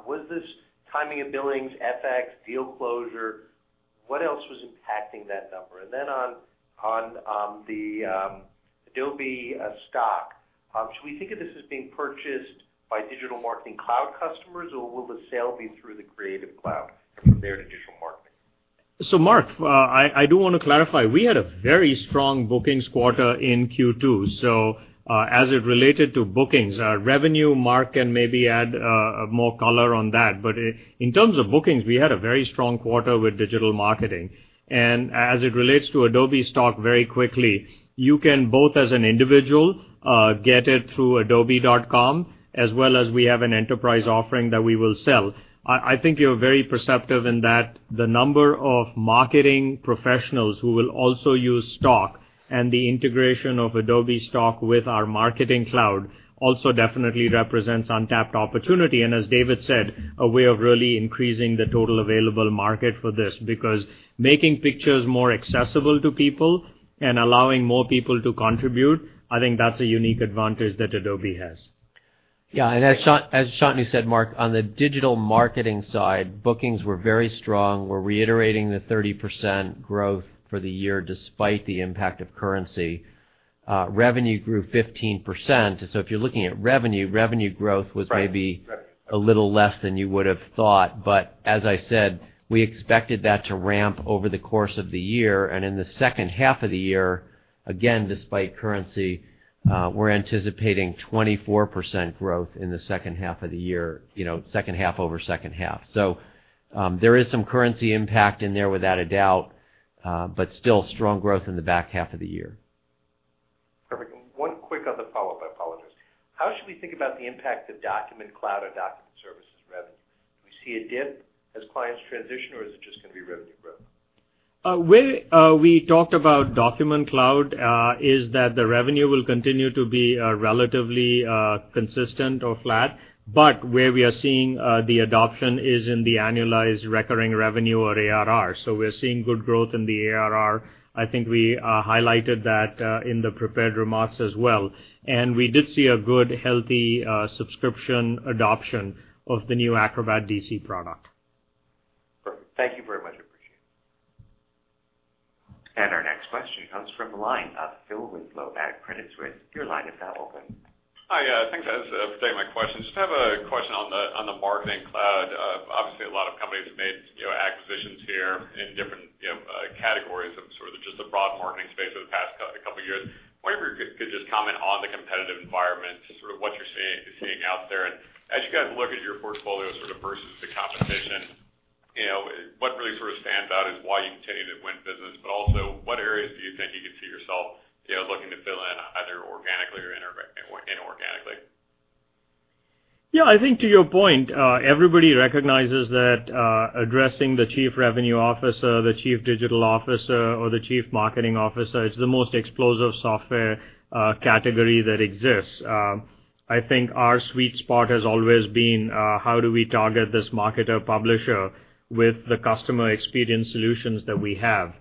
Was this timing of billings, FX, deal closure? What else was impacting that number? On the Adobe Stock, should we think of this as being purchased by Digital Marketing Cloud customers, or will the sale be through the Creative Cloud from there to digital marketing? Mark, I do want to clarify, we had a very strong bookings quarter in Q2. As it related to bookings, revenue, Mark can maybe add more color on that. In terms of bookings, we had a very strong quarter with digital marketing. As it relates to Adobe Stock, very quickly, you can both as an individual get it through adobe.com as well as we have an enterprise offering that we will sell. I think you're very perceptive in that the number of marketing professionals who will also use Stock and the integration of Adobe Stock with our Marketing Cloud also definitely represents untapped opportunity, and as David said, a way of really increasing the total available market for this. Making pictures more accessible to people and allowing more people to contribute, I think that's a unique advantage that Adobe has. Yeah, as Shantanu said, Mark, on the digital marketing side, bookings were very strong. We're reiterating the 30% growth for the year despite the impact of currency. Revenue grew 15%. If you're looking at revenue growth was. Right a little less than you would have thought. As I said, we expected that to ramp over the course of the year. In the second half of the year, again, despite currency, we're anticipating 24% growth in the second half of the year, second half over second half. There is some currency impact in there, without a doubt, but still strong growth in the back half of the year. Perfect. One quick other follow-up. I apologize. How should we think about the impact to Document Cloud or Document Services revenue? Do we see a dip as clients transition, or is it just going to be revenue growth? Where we talked about Document Cloud is that the revenue will continue to be relatively consistent or flat. Where we are seeing the adoption is in the annualized recurring revenue or ARR. We're seeing good growth in the ARR. I think I highlighted that in the prepared remarks as well. We did see a good, healthy subscription adoption of the new Acrobat DC product. Perfect. Thank you very much. I appreciate it. Our next question comes from the line of Phil Winslow at Credit Suisse. Your line is now open. Hi, yeah, thanks. That was going to be my question. Just have a question on the Marketing Cloud. Obviously, a lot of companies have made acquisitions here in different categories of sort of just the broad marketing space over the past couple of years. Wonder if you could just comment on the competitive environment, just sort of what you're seeing out there. As you guys look at your portfolio sort of versus the competition, what really sort of stands out as why you continue to win business, but also, what areas do you think you could see yourself looking to fill in, either organically or inorganically? Yeah, I think to your point, everybody recognizes that addressing the chief revenue officer, the chief digital officer, or the chief marketing officer is the most explosive software category that exists. I think our sweet spot has always been how do we target this marketer publisher with the customer experience solutions that we have.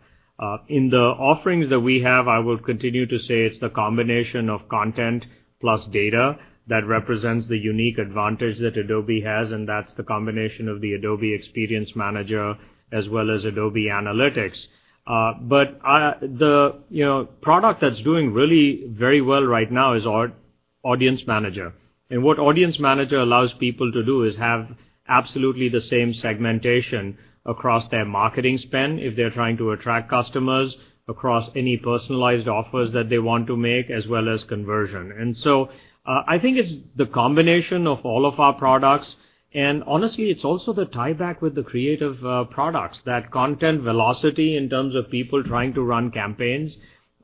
In the offerings that we have, I will continue to say it's the combination of content plus data that represents the unique advantage that Adobe has, and that's the combination of the Adobe Experience Manager as well as Adobe Analytics. The product that's doing really very well right now is our Adobe Audience Manager. What Adobe Audience Manager allows people to do is have absolutely the same segmentation across their marketing spend if they're trying to attract customers across any personalized offers that they want to make, as well as conversion. I think it's the combination of all of our products, and honestly, it's also the tieback with the creative products, that content velocity in terms of people trying to run campaigns,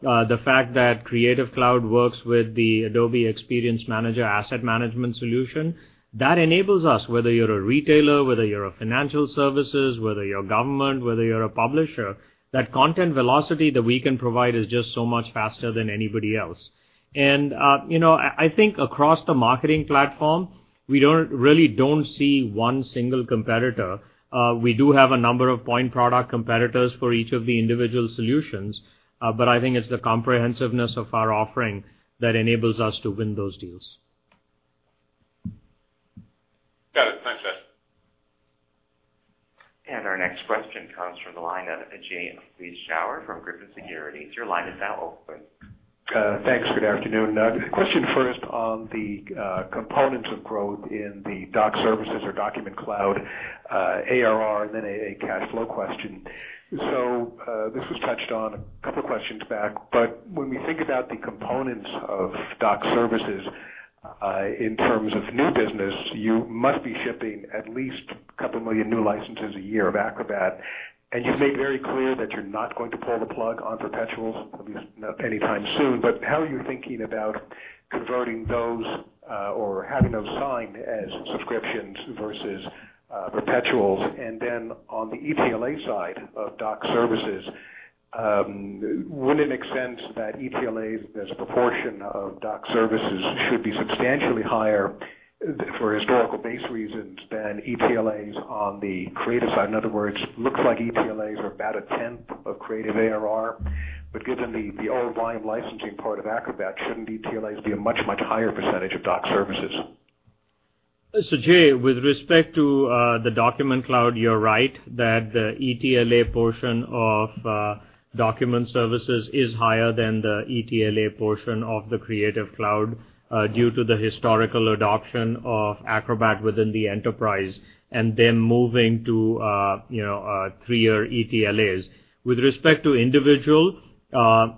the fact that Creative Cloud works with the Adobe Experience Manager asset management solution, that enables us, whether you're a retailer, whether you're a financial services, whether you're government, whether you're a publisher, that content velocity that we can provide is just so much faster than anybody else. I think across the marketing platform, we really don't see one single competitor. We do have a number of point product competitors for each of the individual solutions, but I think it's the comprehensiveness of our offering that enables us to win those deals. Got it. Thanks, Shantanu. Our next question comes from the line of Jay Vleeschhouwer from Griffin Securities. Your line is now open. Thanks. Good afternoon. Question first on the components of growth in the Doc Services or Document Cloud ARR, then a cash flow question. This was touched on a couple of questions back, but when we think about the components of Doc Services in terms of new business, you must be shipping at least a couple million new licenses a year of Acrobat, and you've made very clear that you're not going to pull the plug on perpetuals, at least not anytime soon. How are you thinking about converting those or having those signed as subscriptions versus perpetuals? On the ETLA side of Doc Services, wouldn't it make sense that ETLAs as a proportion of Doc Services should be substantially higher for historical base reasons than ETLAs on the creative side? In other words, looks like ETLAs are about a 10th of Creative Cloud ARR. Given the old volume licensing part of Acrobat, shouldn't ETLAs be a much higher percentage of Doc Services? Jay, with respect to the Document Cloud, you're right that the ETLA portion of Document Services is higher than the ETLA portion of the Creative Cloud due to the historical adoption of Acrobat within the enterprise and then moving to three-year ETLAs. With respect to individual,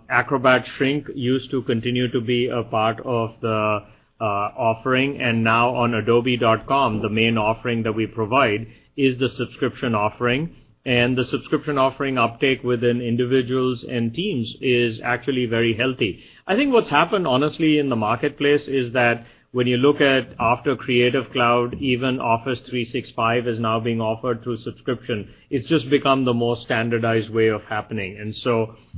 Acrobat shrink used to continue to be a part of the offering, and now on adobe.com, the main offering that we provide is the subscription offering, and the subscription offering uptake within individuals and teams is actually very healthy. I think what's happened, honestly, in the marketplace is that when you look at after Creative Cloud, even Office 365 is now being offered through subscription. It's just become the most standardized way of happening.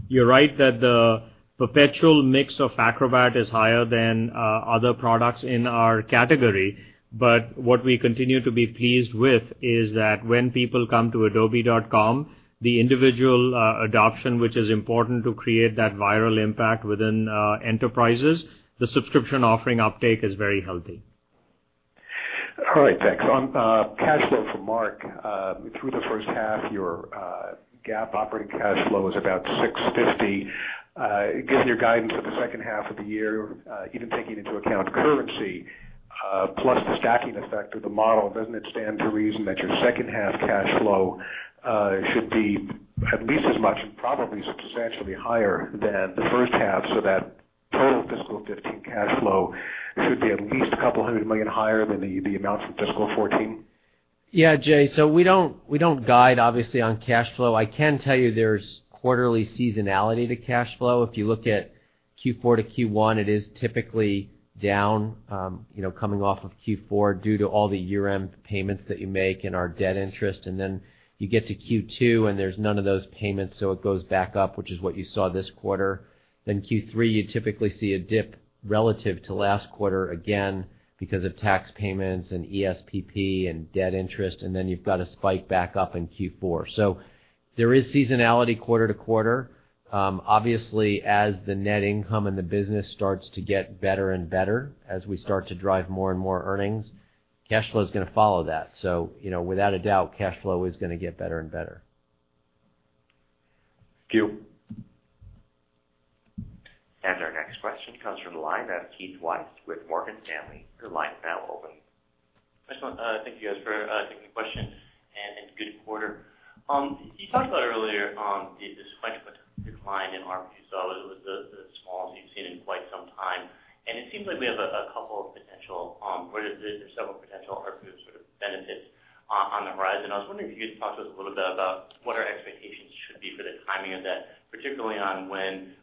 You're right that the perpetual mix of Acrobat is higher than other products in our category. What we continue to be pleased with is that when people come to adobe.com, the individual adoption, which is important to create that viral impact within enterprises, the subscription offering uptake is very healthy. All right, thanks. On cash flow for Mark, through the first half, your GAAP operating cash flow is about $650. Given your guidance for the second half of the year, even taking into account currency, plus the stacking effect of the model, doesn't it stand to reason that your second half cash flow should be at least as much and probably substantially higher than the first half, so that total fiscal 2015 cash flow should be at least a couple hundred million higher than the amounts in fiscal 2014? Yeah, Jay. We don't guide, obviously, on cash flow. I can tell you there's quarterly seasonality to cash flow. If you look at Q4 to Q1, it is typically down coming off of Q4 due to all the year-end payments that you make and our debt interest, and then you get to Q2, and there's none of those payments, so it goes back up, which is what you saw this quarter. Then Q3, you typically see a dip relative to last quarter, again, because of tax payments and ESPP and debt interest, and then you've got a spike back up in Q4. There is seasonality quarter to quarter. Obviously, as the net income and the business starts to get better and better, as we start to drive more and more earnings, cash flow is going to follow that. Without a doubt, cash flow is going to get better and better. Thank you. Our next question comes from the line of Keith Weiss with Morgan Stanley. Your line is now open. First of all, thank you guys for taking the question, and good quarter. You talked about earlier the sequential decline in ARPU. You saw it was the smallest you've seen in quite some time, and it seems like we have a couple of potential, or several potential ARPU sort of benefits on the horizon. I was wondering if you could talk to us a little bit about what our expectations should be for the timing of that, particularly on when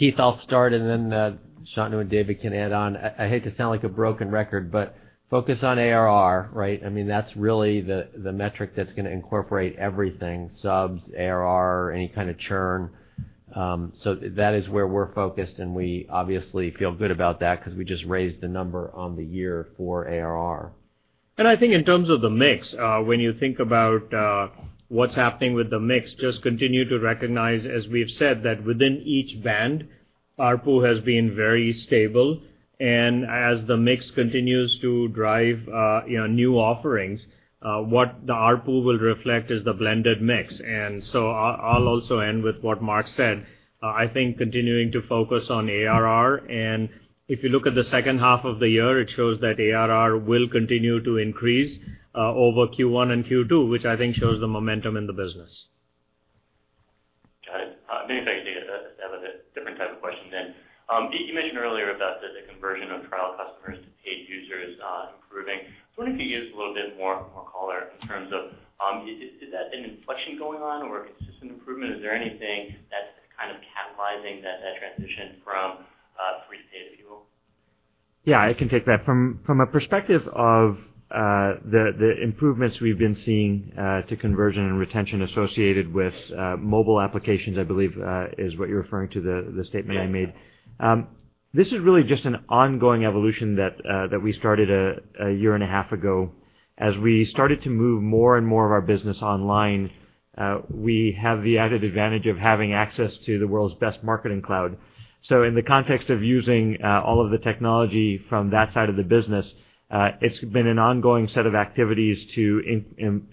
we think that the Adobe Stock could start benefiting ARPU and when the sort of the renewal of promotional pricing or the expiration of promotional pricing could start to benefit ARPUs, just so we could have a better understanding kind of model that going forward. Keith, I'll start. Shantanu and David can add on. I hate to sound like a broken record, focus on ARR, right? That's really the metric that's going to incorporate everything, subs, ARR, any kind of churn. That is where we're focused, and we obviously feel good about that because we just raised the number on the year for ARR. I think in terms of the mix, when you think about what's happening with the mix, just continue to recognize, as we've said, that within each band, ARPU has been very stable. As the mix continues to drive new offerings, what the ARPU will reflect is the blended mix. I'll also end with what Mark said. I think continuing to focus on ARR, and if you look at the second half of the year, it shows that ARR will continue to increase over Q1 and Q2, which I think shows the momentum in the business. Got it. Maybe if I could get a bit of a different type of question then. You mentioned earlier about the conversion of trial customers to paid users improving. I was wondering if you could give us a little bit more color in terms of, is that an inflection going on or consistent improvement? Is there anything that's kind of catalyzing that transition from free to paid people? Yeah, I can take that. From a perspective of the improvements we've been seeing to conversion and retention associated with mobile applications, I believe is what you're referring to, the statement I made. Yeah. This is really just an ongoing evolution that we started a year and a half ago. As we started to move more and more of our business online, we have the added advantage of having access to the world's best Marketing Cloud. In the context of using all of the technology from that side of the business, it's been an ongoing set of activities to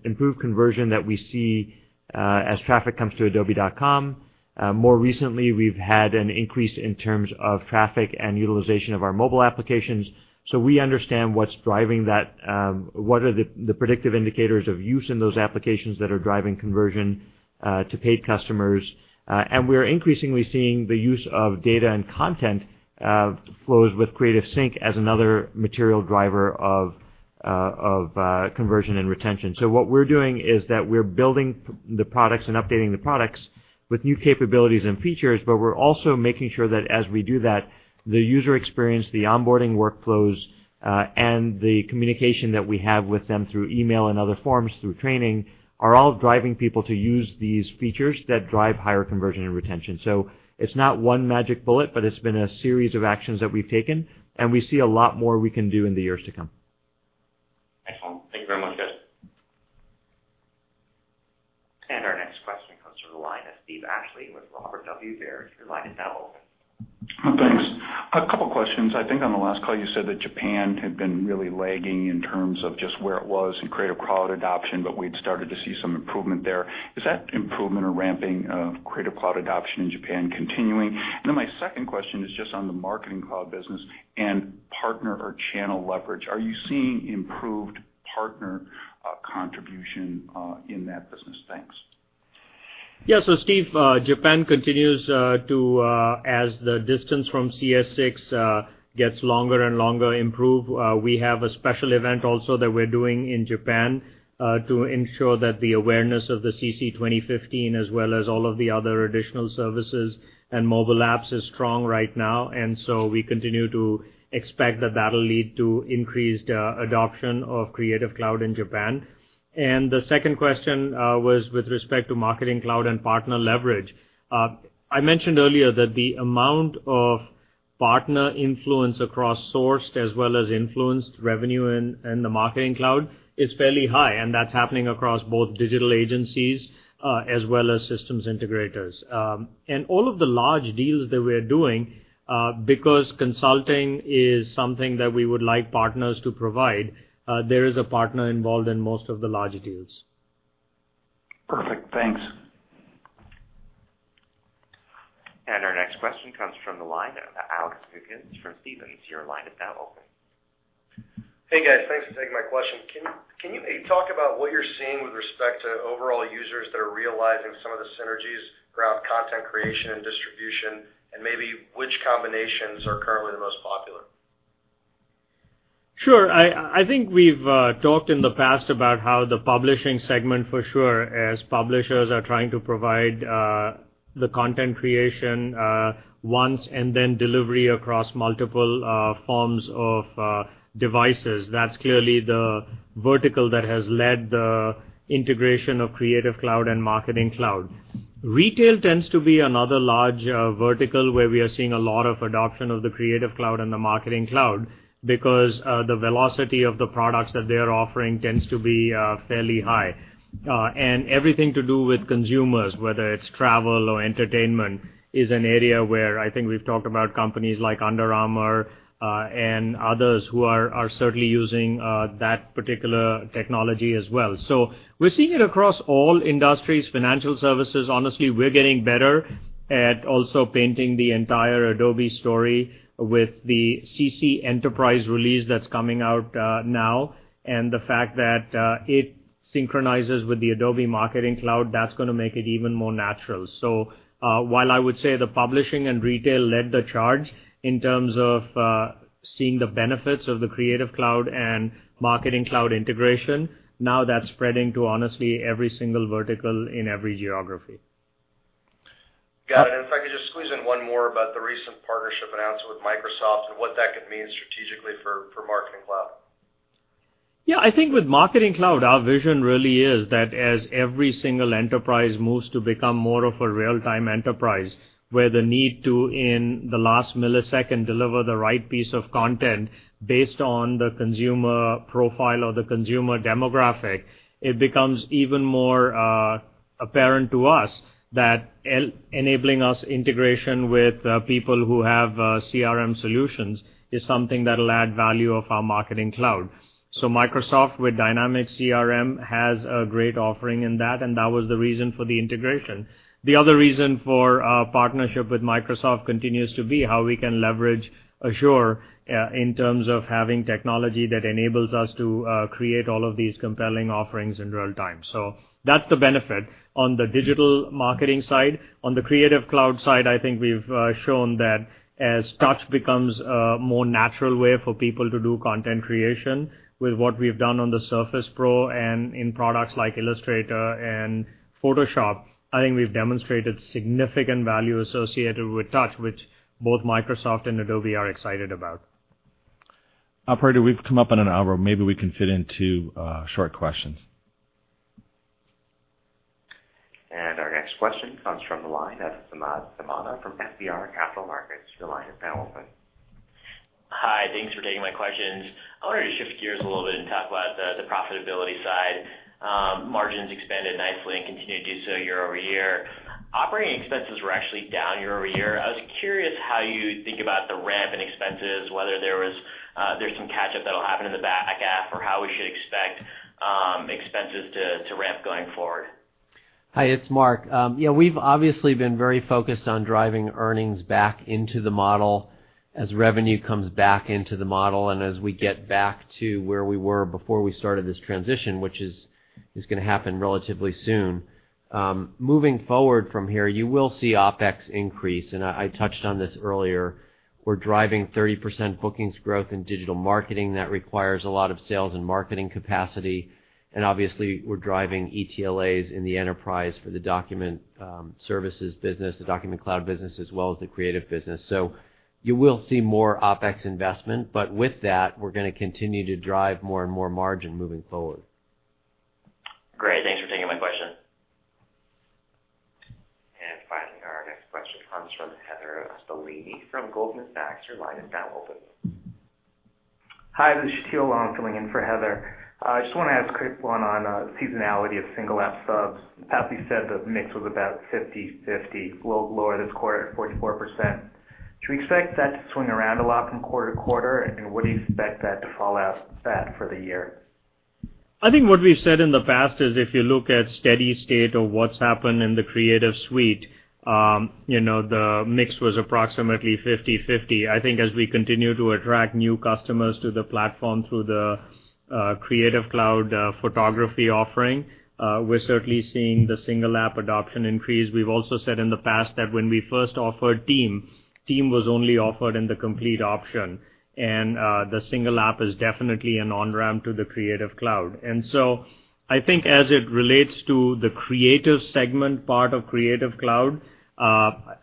improve conversion that we see as traffic comes to adobe.com. More recently, we've had an increase in terms of traffic and utilization of our mobile applications. We understand what's driving that, what are the predictive indicators of use in those applications that are driving conversion to paid customers. We are increasingly seeing the use of data and content flows with CreativeSync as another material driver of conversion and retention. What we're doing is that we're building the products and updating the products with new capabilities and features, we're also making sure that as we do that, the user experience, the onboarding workflows, and the communication that we have with them through email and other forms through training are all driving people to use these features that drive higher conversion and retention. It's not one magic bullet, it's been a series of actions that we've taken, and we see a lot more we can do in the years to come. Excellent. Thank you very much, guys. Our next question comes from the line of Steven Ashley with Robert W. Baird. Your line is now open. Thanks. A couple questions. I think on the last call, you said that Japan had been really lagging in terms of just where it was in Creative Cloud adoption, but we'd started to see some improvement there. Is that improvement or ramping of Creative Cloud adoption in Japan continuing? My second question is just on the Marketing Cloud business and partner or channel leverage. Are you seeing improved partner contribution in that business? Thanks. Yeah. Steve, Japan continues to, as the distance from CS6 gets longer and longer, improve. We have a special event also that we're doing in Japan to ensure that the awareness of the CC 2015 as well as all of the other additional services and mobile apps is strong right now. We continue to expect that that'll lead to increased adoption of Creative Cloud in Japan. The second question was with respect to Marketing Cloud and partner leverage. I mentioned earlier that the amount of partner influence across sourced as well as influenced revenue in the Marketing Cloud is fairly high, and that's happening across both digital agencies as well as systems integrators. All of the large deals that we're doing, because consulting is something that we would like partners to provide, there is a partner involved in most of the large deals. Perfect. Thanks. Our next question comes from the line of Alex Hawkins from Stephens. Your line is now open. Hey, guys. Thanks for taking my question. Can you maybe talk about what you're seeing with respect to overall users that are realizing some of the synergies around content creation and distribution, and maybe which combinations are currently the most popular? Sure. I think we've talked in the past about how the publishing segment for sure, as publishers are trying to provide the content creation once and then delivery across multiple forms of devices. That's clearly the vertical that has led the integration of Creative Cloud and Marketing Cloud. Retail tends to be another large vertical where we are seeing a lot of adoption of the Creative Cloud and the Marketing Cloud because the velocity of the products that they are offering tends to be fairly high. Everything to do with consumers, whether it's travel or entertainment, is an area where I think we've talked about companies like Under Armour and others who are certainly using that particular technology as well. We're seeing it across all industries, financial services. Honestly, we're getting better at also painting the entire Adobe story with the CC Enterprise release that's coming out now, and the fact that it synchronizes with the Adobe Marketing Cloud, that's going to make it even more natural. While I would say the publishing and retail led the charge in terms of seeing the benefits of the Creative Cloud and Marketing Cloud integration, now that's spreading to honestly every single vertical in every geography. Got it. If I could just squeeze in one more about the recent partnership announcement with Microsoft and what that could mean strategically for Marketing Cloud. Yeah, I think with Marketing Cloud, our vision really is that as every single enterprise moves to become more of a real-time enterprise, where the need to, in the last millisecond, deliver the right piece of content based on the consumer profile or the consumer demographic, it becomes even more apparent to us that enabling us integration with people who have CRM solutions is something that'll add value of our Marketing Cloud. Microsoft with Dynamics CRM has a great offering in that, and that was the reason for the integration. The other reason for our partnership with Microsoft continues to be how we can leverage Azure in terms of having technology that enables us to create all of these compelling offerings in real time. That's the benefit on the digital marketing side. On the Creative Cloud side, I think we've shown that as touch becomes a more natural way for people to do content creation with what we've done on the Surface Pro and in products like Illustrator and Photoshop, I think we've demonstrated significant value associated with touch, which both Microsoft and Adobe are excited about. Operator, we've come up on an hour. Maybe we can fit in two short questions. Our next question comes from the line of Samad Samana from FBR Capital Markets. Your line is now open. Hi, thanks for taking my questions. I wanted to shift gears a little bit and talk about the profitability side. Margins expanded nicely and continue to do so year-over-year. Operating expenses were actually down year-over-year. I was curious how you think about the ramp in expenses, whether there's some catch-up that'll happen in the back half, or how we should expect expenses to ramp going forward. Hi, it's Mark. We've obviously been very focused on driving earnings back into the model as revenue comes back into the model and as we get back to where we were before we started this transition, which is going to happen relatively soon. Moving forward from here, you will see OpEx increase. I touched on this earlier. We're driving 30% bookings growth in digital marketing. That requires a lot of sales and marketing capacity. Obviously we're driving ETLAs in the enterprise for the document services business, the Document Cloud business, as well as the creative business. You will see more OpEx investment. With that, we're going to continue to drive more and more margin moving forward. Great. Thanks for taking my question. Finally, our next question comes from Heather Bellini from Goldman Sachs. Your line is now open. Hi, this is Sheetal coming in for Heather. I just want to ask a quick one on seasonality of single app subs. Shantanu, you said the mix was about 50/50, a little lower this quarter at 44%. Should we expect that to swing around a lot from quarter to quarter? What do you expect that to fall out at for the year? I think what we've said in the past is if you look at steady state of what's happened in the Creative Suite, the mix was approximately 50/50. I think as we continue to attract new customers to the platform through the Creative Cloud photography offering, we're certainly seeing the single app adoption increase. We've also said in the past that when we first offered Team was only offered in the complete option, and the single app is definitely an on-ramp to the Creative Cloud. I think as it relates to the creative segment part of Creative Cloud,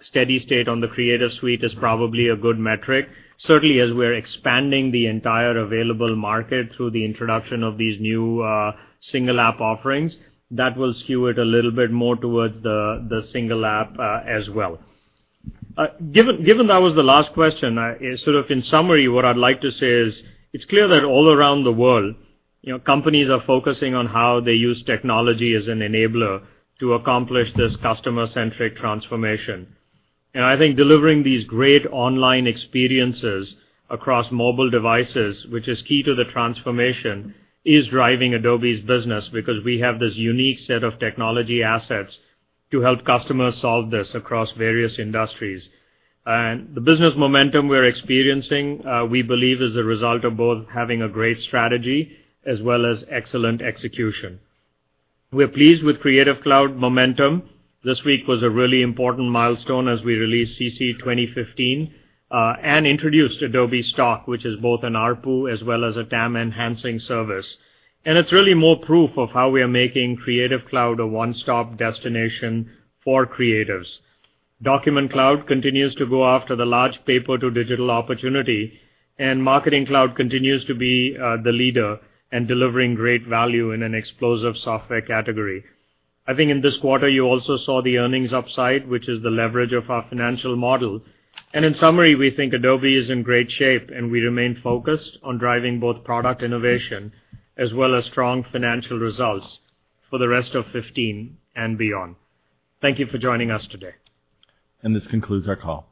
steady state on the Creative Suite is probably a good metric. Certainly, as we're expanding the entire available market through the introduction of these new single app offerings, that will skew it a little bit more towards the single app as well. Given that was the last question, sort of in summary, what I'd like to say is it's clear that all around the world, companies are focusing on how they use technology as an enabler to accomplish this customer-centric transformation. I think delivering these great online experiences across mobile devices, which is key to the transformation, is driving Adobe's business because we have this unique set of technology assets to help customers solve this across various industries. The business momentum we're experiencing, we believe is a result of both having a great strategy as well as excellent execution. We're pleased with Creative Cloud momentum. This week was a really important milestone as we released CC 2015 and introduced Adobe Stock, which is both an ARPU as well as a TAM-enhancing service. It's really more proof of how we are making Creative Cloud a one-stop destination for creatives. Document Cloud continues to go after the large paper to digital opportunity, and Marketing Cloud continues to be the leader in delivering great value in an explosive software category. I think in this quarter you also saw the earnings upside, which is the leverage of our financial model. In summary, we think Adobe is in great shape, and we remain focused on driving both product innovation as well as strong financial results for the rest of 2015 and beyond. Thank you for joining us today. This concludes our call.